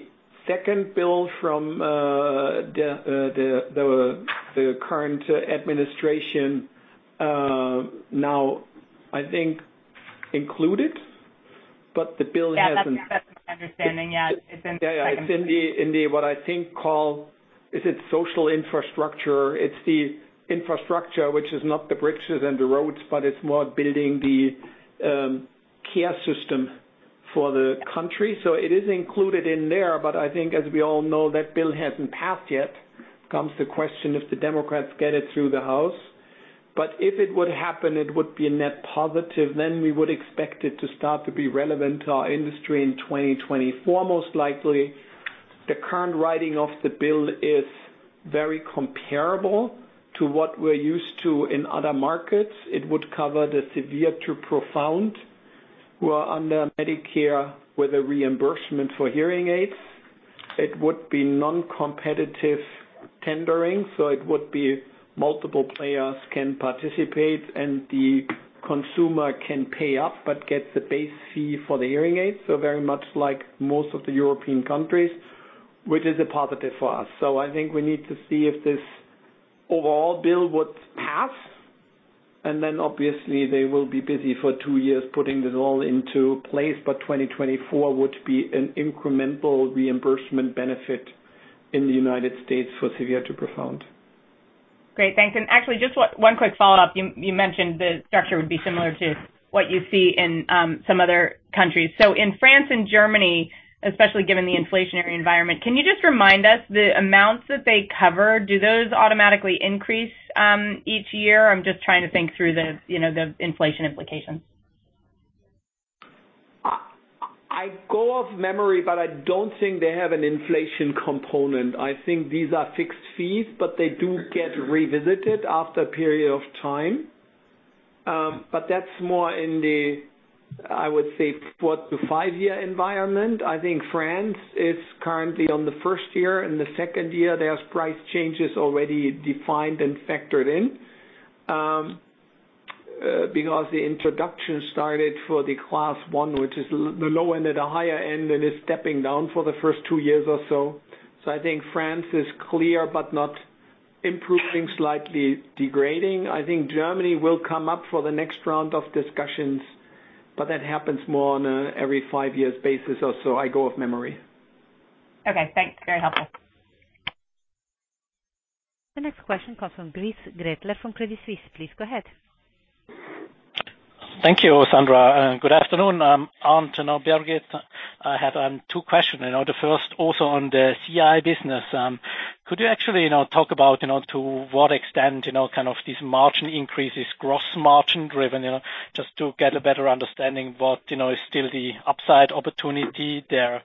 second bill from the current administration, now I think included, but the bill hasn't- Yeah. That's my understanding. Yeah. It's in the second bill. Yeah, yeah. It's in the what I think is called, is it social infrastructure? It's the infrastructure which is not the bridges and the roads, but it's more building the care system for the country. It is included in there. I think as we all know, that bill hasn't passed yet. Comes the question if the Democrats get it through the House. If it would happen, it would be a net positive. We would expect it to start to be relevant to our industry in 2024, most likely. The current writing of the bill is very comparable to what we're used to in other markets. It would cover the severe to profound who are under Medicare with a reimbursement for hearing aids. It would be non-competitive tendering, so it would be multiple players can participate, and the consumer can pay up but get the base fee for the hearing aids. Very much like most of the European countries, which is a positive for us. I think we need to see if this overall bill would pass, and then obviously they will be busy for two years putting this all into place. 2024 would be an incremental reimbursement benefit in the United States for severe to profound. Great, thanks. Actually, just one quick follow-up. You mentioned the structure would be similar to what you see in some other countries. In France and Germany, especially given the inflationary environment, can you just remind us the amounts that they cover? Do those automatically increase each year? I'm just trying to think through the, you know, the inflation implications. I go off memory, but I don't think they have an inflation component. I think these are fixed fees, but they do get revisited after a period of time. That's more in the, I would say 4-5-year environment. I think France is currently on the first year. In the second year, there's price changes already defined and factored in, because the introduction started for the class 1, which is the low-end and the higher end, and is stepping down for the first two years or so. I think France is clear but not improving, slightly degrading. I think Germany will come up for the next round of discussions, but that happens more on an every 5 years basis or so. I go off memory. Okay, thanks. Very helpful. The next question comes from Christoph Gretler from Credit Suisse. Please go ahead. Thank you, Sandra. Good afternoon, Arnd and Birgit. I have two questions. You know, the first also on the CI business. Could you actually, you know, talk about, you know, to what extent, you know, kind of these margin increases, gross margin driven, you know, just to get a better understanding what, you know, is still the upside opportunity there?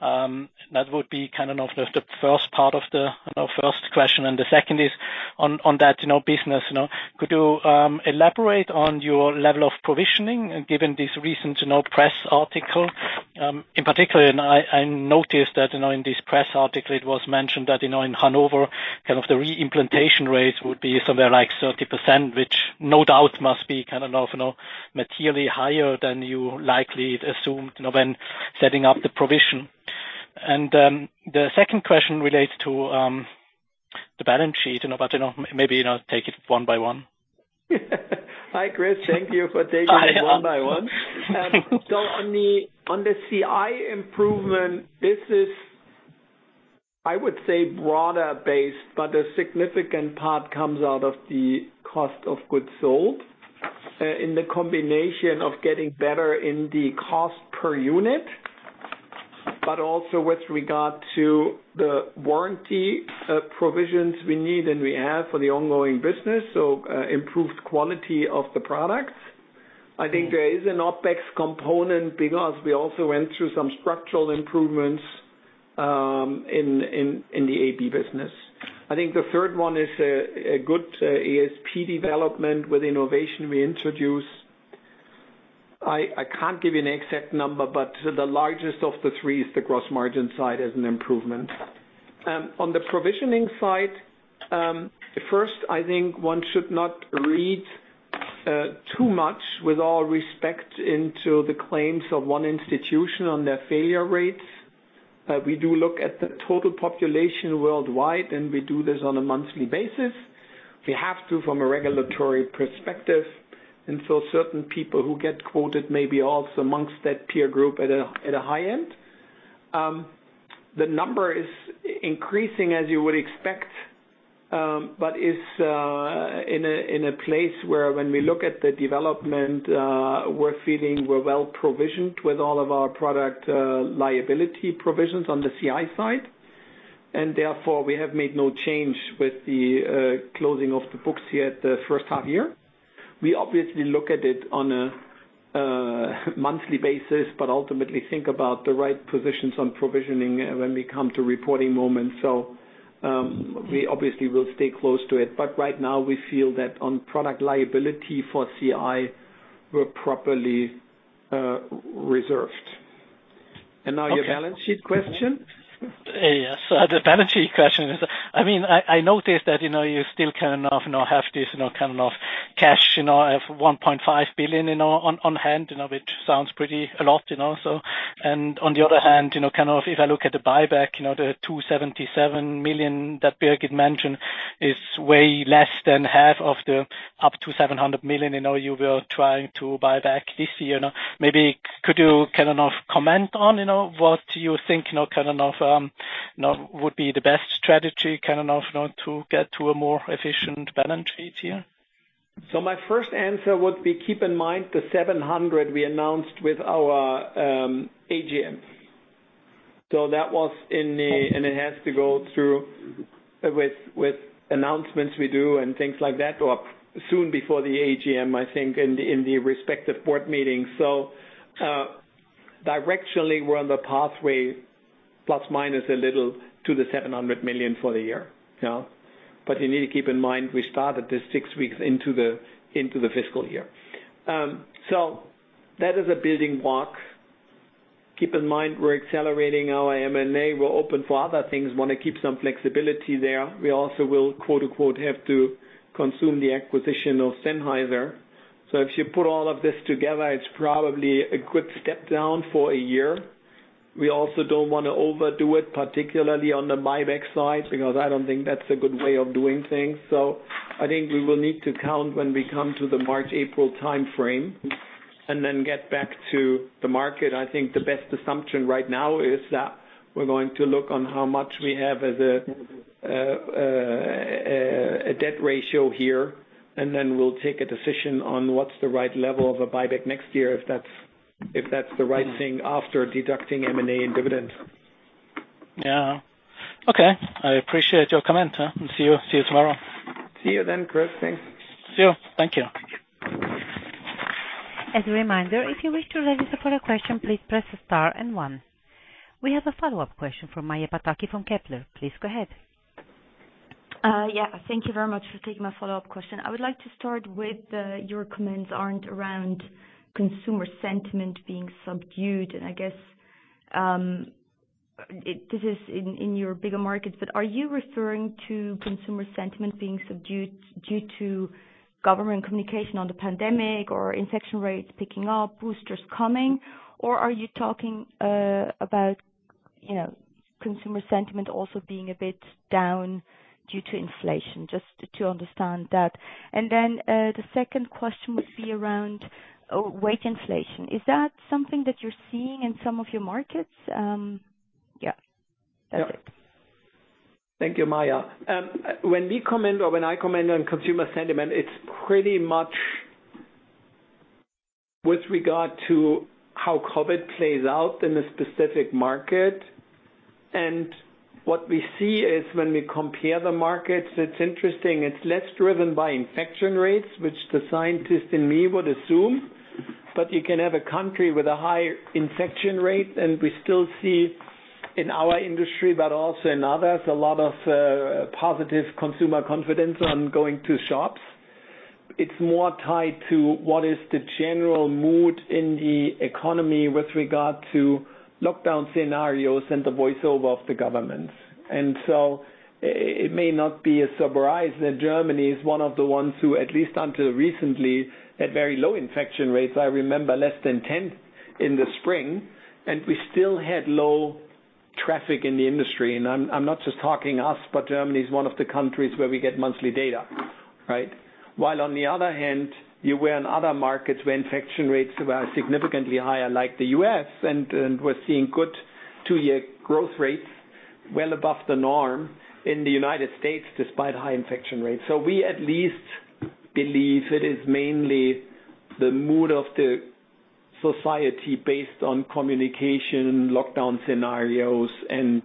That would be kind of the first part of the, you know, first question. The second is on that, you know, business, you know, could you elaborate on your level of provisioning given this recent, you know, press article? In particular, I noticed that, you know, in this press article it was mentioned that, you know, in Hanover, kind of the reimplantation rate would be somewhere like 30%, which no doubt must be kind of, you know, materially higher than you likely had assumed, you know, when setting up the provision. The second question relates to the balance sheet, you know, but, you know, maybe, you know, take it one by one. Hi, Chris. Thank you for taking it one by one. On the CI improvement business, I would say broader base, but a significant part comes out of the cost of goods sold in the combination of getting better in the cost per unit, but also with regard to the warranty provisions we need and we have for the ongoing business, improved quality of the products. I think there is an OpEx component because we also went through some structural improvements in the AB business. I think the third one is a good ASP development with innovation we introduce. I can't give you an exact number, but the largest of the three is the gross margin side as an improvement. On the provisioning side, first, I think one should not read too much with all respect into the claims of one institution on their failure rates. We do look at the total population worldwide, and we do this on a monthly basis. We have to from a regulatory perspective, and so certain people who get quoted may be also amongst that peer group at a high end. The number is increasing as you would expect, but is in a place where when we look at the development, we're feeling we're well provisioned with all of our product liability provisions on the CI side. Therefore, we have made no change with the closing of the books yet the first half year. We obviously look at it on a monthly basis, but ultimately think about the right positions on provisioning when we come to reporting moments. We obviously will stay close to it, but right now we feel that on product liability for CI, we're properly reserved. Now your balance sheet question. Yes. The balance sheet question is, I mean, I noticed that, you know, you still kind of now have this, you know, kind of cash, you know, of 1.5 billion, you know, on hand, you know, which sounds pretty a lot, you know. On the other hand, you know, kind of if I look at the buyback, you know, the 277 million that Birgit mentioned is way less than half of the up to 700 million, you know, you were trying to buy back this year. Now, maybe could you kind of comment on, you know, what you think, you know, kind of, you know, would be the best strategy kind of, you know, to get to a more efficient balance sheet here? My first answer would be, keep in mind the 700 million we announced with our AGM. That was in the announcements we do and things like that, or soon before the AGM, I think in the respective board meetings. Directionally, we're on the pathway, plus minus a little, to the 700 million for the year. You need to keep in mind we started this six weeks into the fiscal year. That is a building block. Keep in mind, we're accelerating our M&A. We're open for other things, wanna keep some flexibility there. We also will, quote-unquote, "have to consume the acquisition of Sennheiser." If you put all of this together, it's probably a good step down for a year. We also don't wanna overdo it, particularly on the buyback side, because I don't think that's a good way of doing things. I think we will need to announce when we come to the March-April timeframe and then get back to the market. I think the best assumption right now is that we're going to look at how much we have as a debt ratio here, and then we'll take a decision on what's the right level of a buyback next year, if that's the right thing after deducting M&A and dividend. Yeah. Okay. I appreciate your comment. See you tomorrow. See you then, Chris. Thanks. See you. Thank you. As a reminder, if you wish to register for a question, please press star and one. We have a follow-up question from Maja Pataki from Kepler. Please go ahead. Yeah. Thank you very much for taking my follow-up question. I would like to start with your comments, Arnd, around consumer sentiment being subdued. I guess this is in your bigger markets, but are you referring to consumer sentiment being subdued due to government communication on the pandemic or infection rates picking up, boosters coming? Or are you talking about, you know, consumer sentiment also being a bit down due to inflation? Just to understand that. The second question would be around wage inflation. Is that something that you're seeing in some of your markets? Yeah. That's it. Thank you, Maja. When we comment or when I comment on consumer sentiment, it's pretty much with regard to how COVID-19 plays out in a specific market. What we see is when we compare the markets, it's interesting, it's less driven by infection rates, which the scientist in me would assume. You can have a country with a high infection rate, and we still see in our industry, but also in others, a lot of positive consumer confidence on going to shops. It's more tied to what is the general mood in the economy with regard to lockdown scenarios and the voiceover of the government. It may not be a surprise that Germany is one of the ones who, at least until recently, had very low infection rates. I remember less than 10 in the spring, and we still had low traffic in the industry, and I'm not just talking us, but Germany is one of the countries where we get monthly data, right? While on the other hand, you were in other markets where infection rates were significantly higher, like the U.S., and we're seeing good two-year growth rates well above the norm in the United States despite high infection rates. We at least believe it is mainly the mood of the society based on communication, lockdown scenarios and,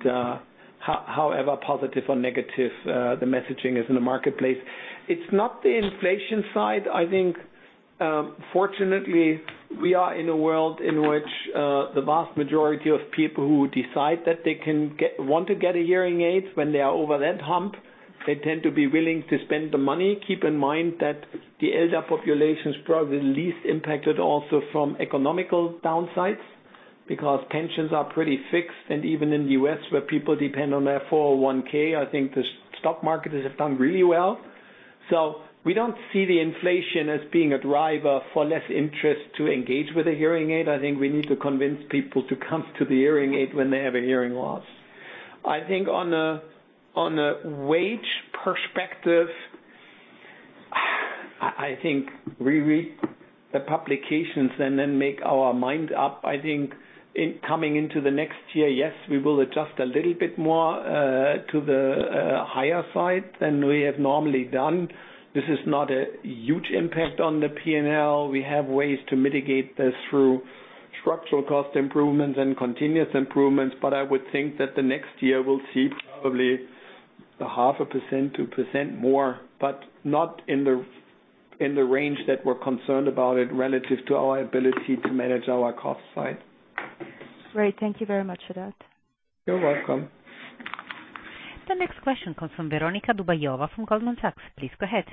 however positive or negative, the messaging is in the marketplace. It's not the inflation side. I think, fortunately, we are in a world in which the vast majority of people who decide that they want to get a hearing aid when they are over that hump, they tend to be willing to spend the money. Keep in mind that the elder population is probably least impacted also from economical downsides because pensions are pretty fixed. Even in the U.S. where people depend on their 401(k), I think the stock market has done really well. We don't see the inflation as being a driver for less interest to engage with a hearing aid. I think we need to convince people to come to the hearing aid when they have a hearing loss. I think on a wage perspective, I think we read the publications and then make our mind up. I think in coming into the next year, yes, we will adjust a little bit more to the higher side than we have normally done. This is not a huge impact on the P&L. We have ways to mitigate this through structural cost improvements and continuous improvements. I would think that the next year we'll see probably 0.5%-2% more, but not in the range that we're concerned about it relative to our ability to manage our cost side. Great. Thank you very much for that. You're welcome. The next question comes from Veronika Dubajova from Goldman Sachs. Please go ahead.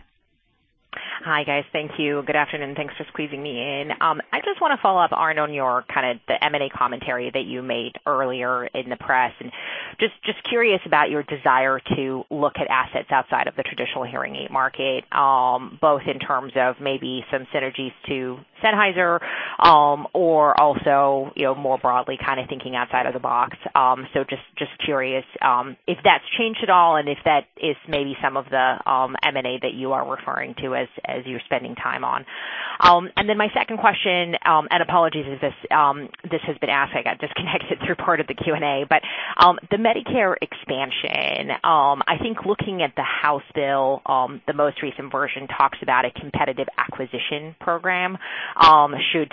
Hi, guys. Thank you. Good afternoon, and thanks for squeezing me in. I just wanna follow up, Arnd Kaldowski, on your kind of the M&A commentary that you made earlier in the press. Just curious about your desire to look at assets outside of the traditional hearing aid market, both in terms of maybe some synergies to Sennheiser, or also, you know, more broadly kind of thinking outside of the box. Just curious if that's changed at all and if that is maybe some of the M&A that you are referring to as you're spending time on. My second question, apologies if this has been asked. I got disconnected through part of the Q&A, but the Medicare expansion, I think looking at the House bill, the most recent version talks about a competitive acquisition program should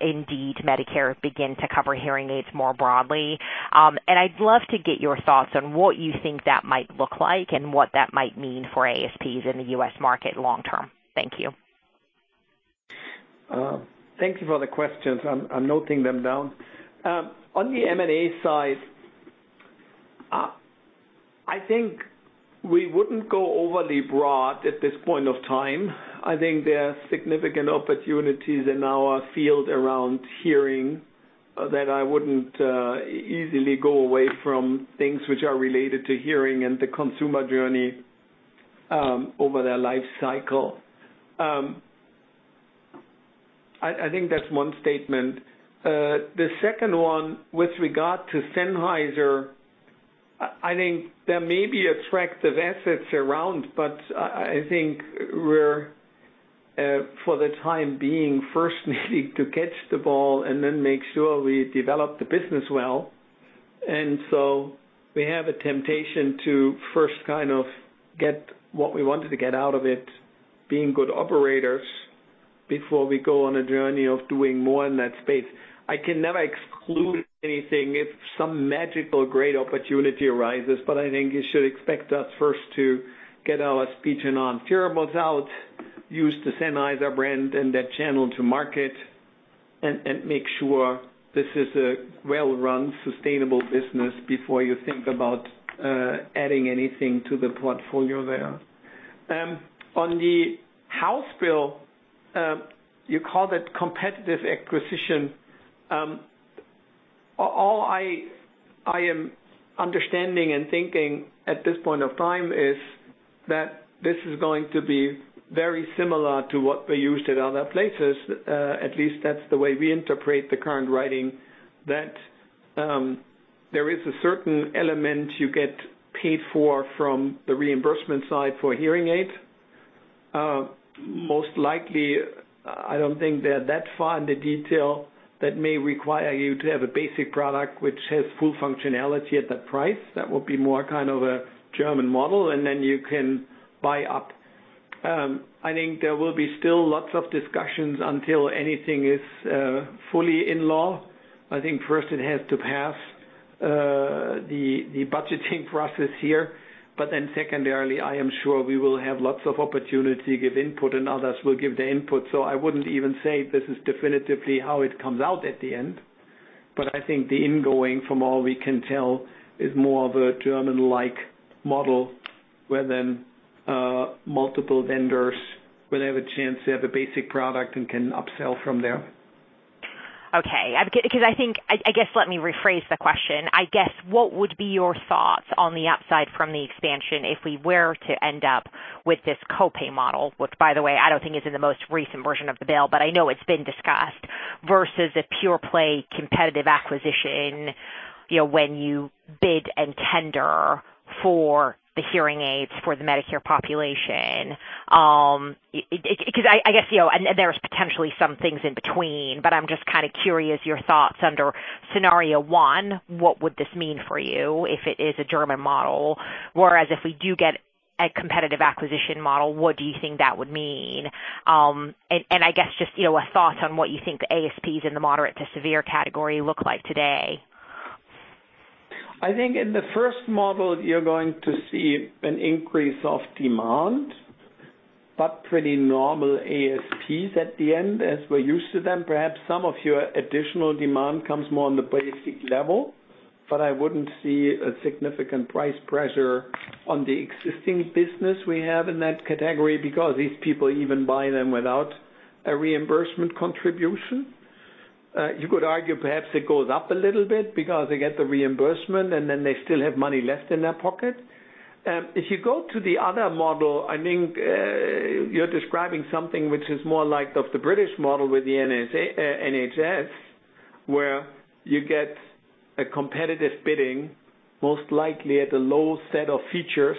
indeed Medicare begin to cover hearing aids more broadly. I'd love to get your thoughts on what you think that might look like and what that might mean for ASPs in the U.S. market long term. Thank you. Thank you for the questions. I'm noting them down. On the M&A side, I think we wouldn't go overly broad at this point of time. I think there are significant opportunities in our field around hearing that I wouldn't easily go away from things which are related to hearing and the consumer journey over their life cycle. I think that's one statement. The second one with regard to Sennheiser, I think there may be attractive assets around, but I think we're for the time being first needing to catch the ball and then make sure we develop the business well. We have a temptation to first kind of get what we wanted to get out of it being good operators before we go on a journey of doing more in that space. I can never exclude anything if some magical great opportunity arises, but I think you should expect us first to get our speech and on hearables out, use the Sennheiser brand and that channel to market and make sure this is a well-run sustainable business before you think about adding anything to the portfolio there. On the House bill, you call that competitive acquisition. All I am understanding and thinking at this point of time is that this is going to be very similar to what we used at other places. At least that's the way we interpret the current wording, that there is a certain element you get paid for from the reimbursement side for hearing aids. Most likely, I don't think they're that far in the detail that may require you to have a basic product which has full functionality at that price. That would be more kind of a German model, and then you can buy up. I think there will be still lots of discussions until anything is fully into law. I think first it has to pass the budgeting process here, but then secondarily, I am sure we will have lots of opportunity to give input and others will give the input. I wouldn't even say this is definitively how it comes out at the end. I think the incoming from all we can tell is more of a German-like model where then multiple vendors will have a chance to have a basic product and can upsell from there. Okay. Because I guess, let me rephrase the question. I guess, what would be your thoughts on the upside from the expansion if we were to end up with this co-pay model, which by the way, I don't think is in the most recent version of the bill, but I know it's been discussed, versus a pure play competitive acquisition. You know, when you bid and tender for the hearing aids for the Medicare population, because I guess, you know, and there's potentially some things in between, but I'm just kinda curious your thoughts under scenario one, what would this mean for you if it is a German model? Whereas if we do get a competitive acquisition model, what do you think that would mean? I guess just, you know, a thought on what you think the ASPs in the moderate to severe category look like today. I think in the first model, you're going to see an increase of demand, but pretty normal ASPs at the end as we're used to them. Perhaps some of your additional demand comes more on the basic level, but I wouldn't see a significant price pressure on the existing business we have in that category because these people even buy them without a reimbursement contribution. You could argue perhaps it goes up a little bit because they get the reimbursement and then they still have money left in their pocket. If you go to the other model, I think you're describing something which is more like of the British model with the NHS, where you get a competitive bidding, most likely at a low set of features,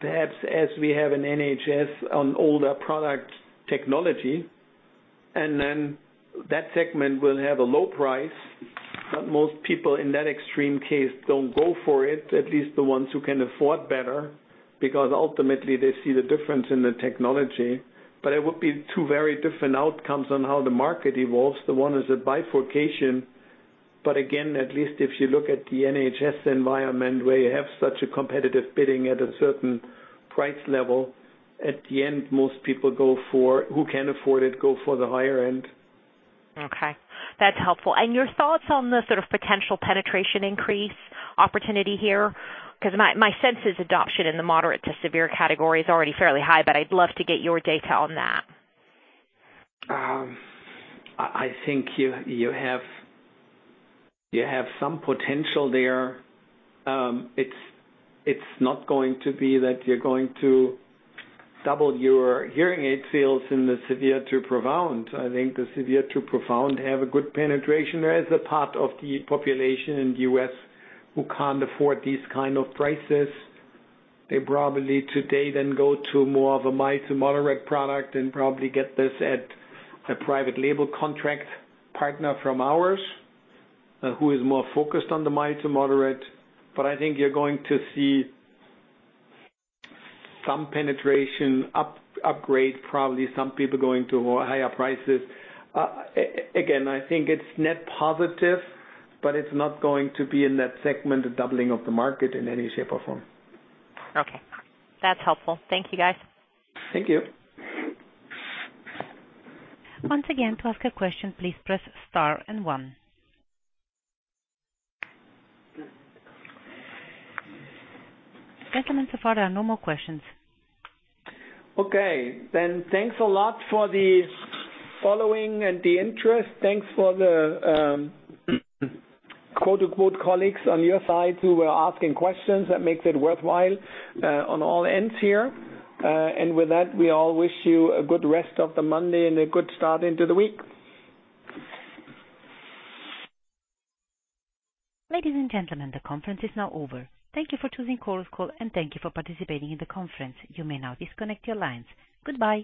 perhaps as we have in NHS on older product technology, and then that segment will have a low price. But most people in that extreme case don't go for it, at least the ones who can afford better, because ultimately they see the difference in the technology. But it would be two very different outcomes on how the market evolves. The one is a bifurcation, but again, at least if you look at the NHS environment where you have such a competitive bidding at a certain price level, at the end, most people who can afford it go for the higher end. Okay. That's helpful. Your thoughts on the sort of potential penetration increase opportunity here? 'Cause my sense is adoption in the moderate to severe category is already fairly high, but I'd love to get your data on that. I think you have some potential there. It's not going to be that you're going to double your hearing aid sales in the severe to profound. I think the severe to profound have a good penetration. There is a part of the population in the U.S. who can't afford these kind of prices. They probably today then go to more of a mild to moderate product and probably get this at a private label contract partner from ours, who is more focused on the mild to moderate. I think you're going to see some penetration upgrade, probably some people going to higher prices. Again, I think it's net positive, but it's not going to be in that segment, a doubling of the market in any shape or form. Okay. That's helpful. Thank you, guys. Thank you. Once again, to ask a question, please press star and one. Gentlemen, so far there are no more questions. Okay. Thanks a lot for the following and the interest. Thanks for the, quote, unquote, "colleagues on your side" who were asking questions. That makes it worthwhile on all ends here. With that, we all wish you a good rest of the Monday and a good start into the week. Ladies and gentlemen, the conference is now over. Thank you for choosing Chorus Call, and thank you for participating in the conference. You may now disconnect your lines. Goodbye.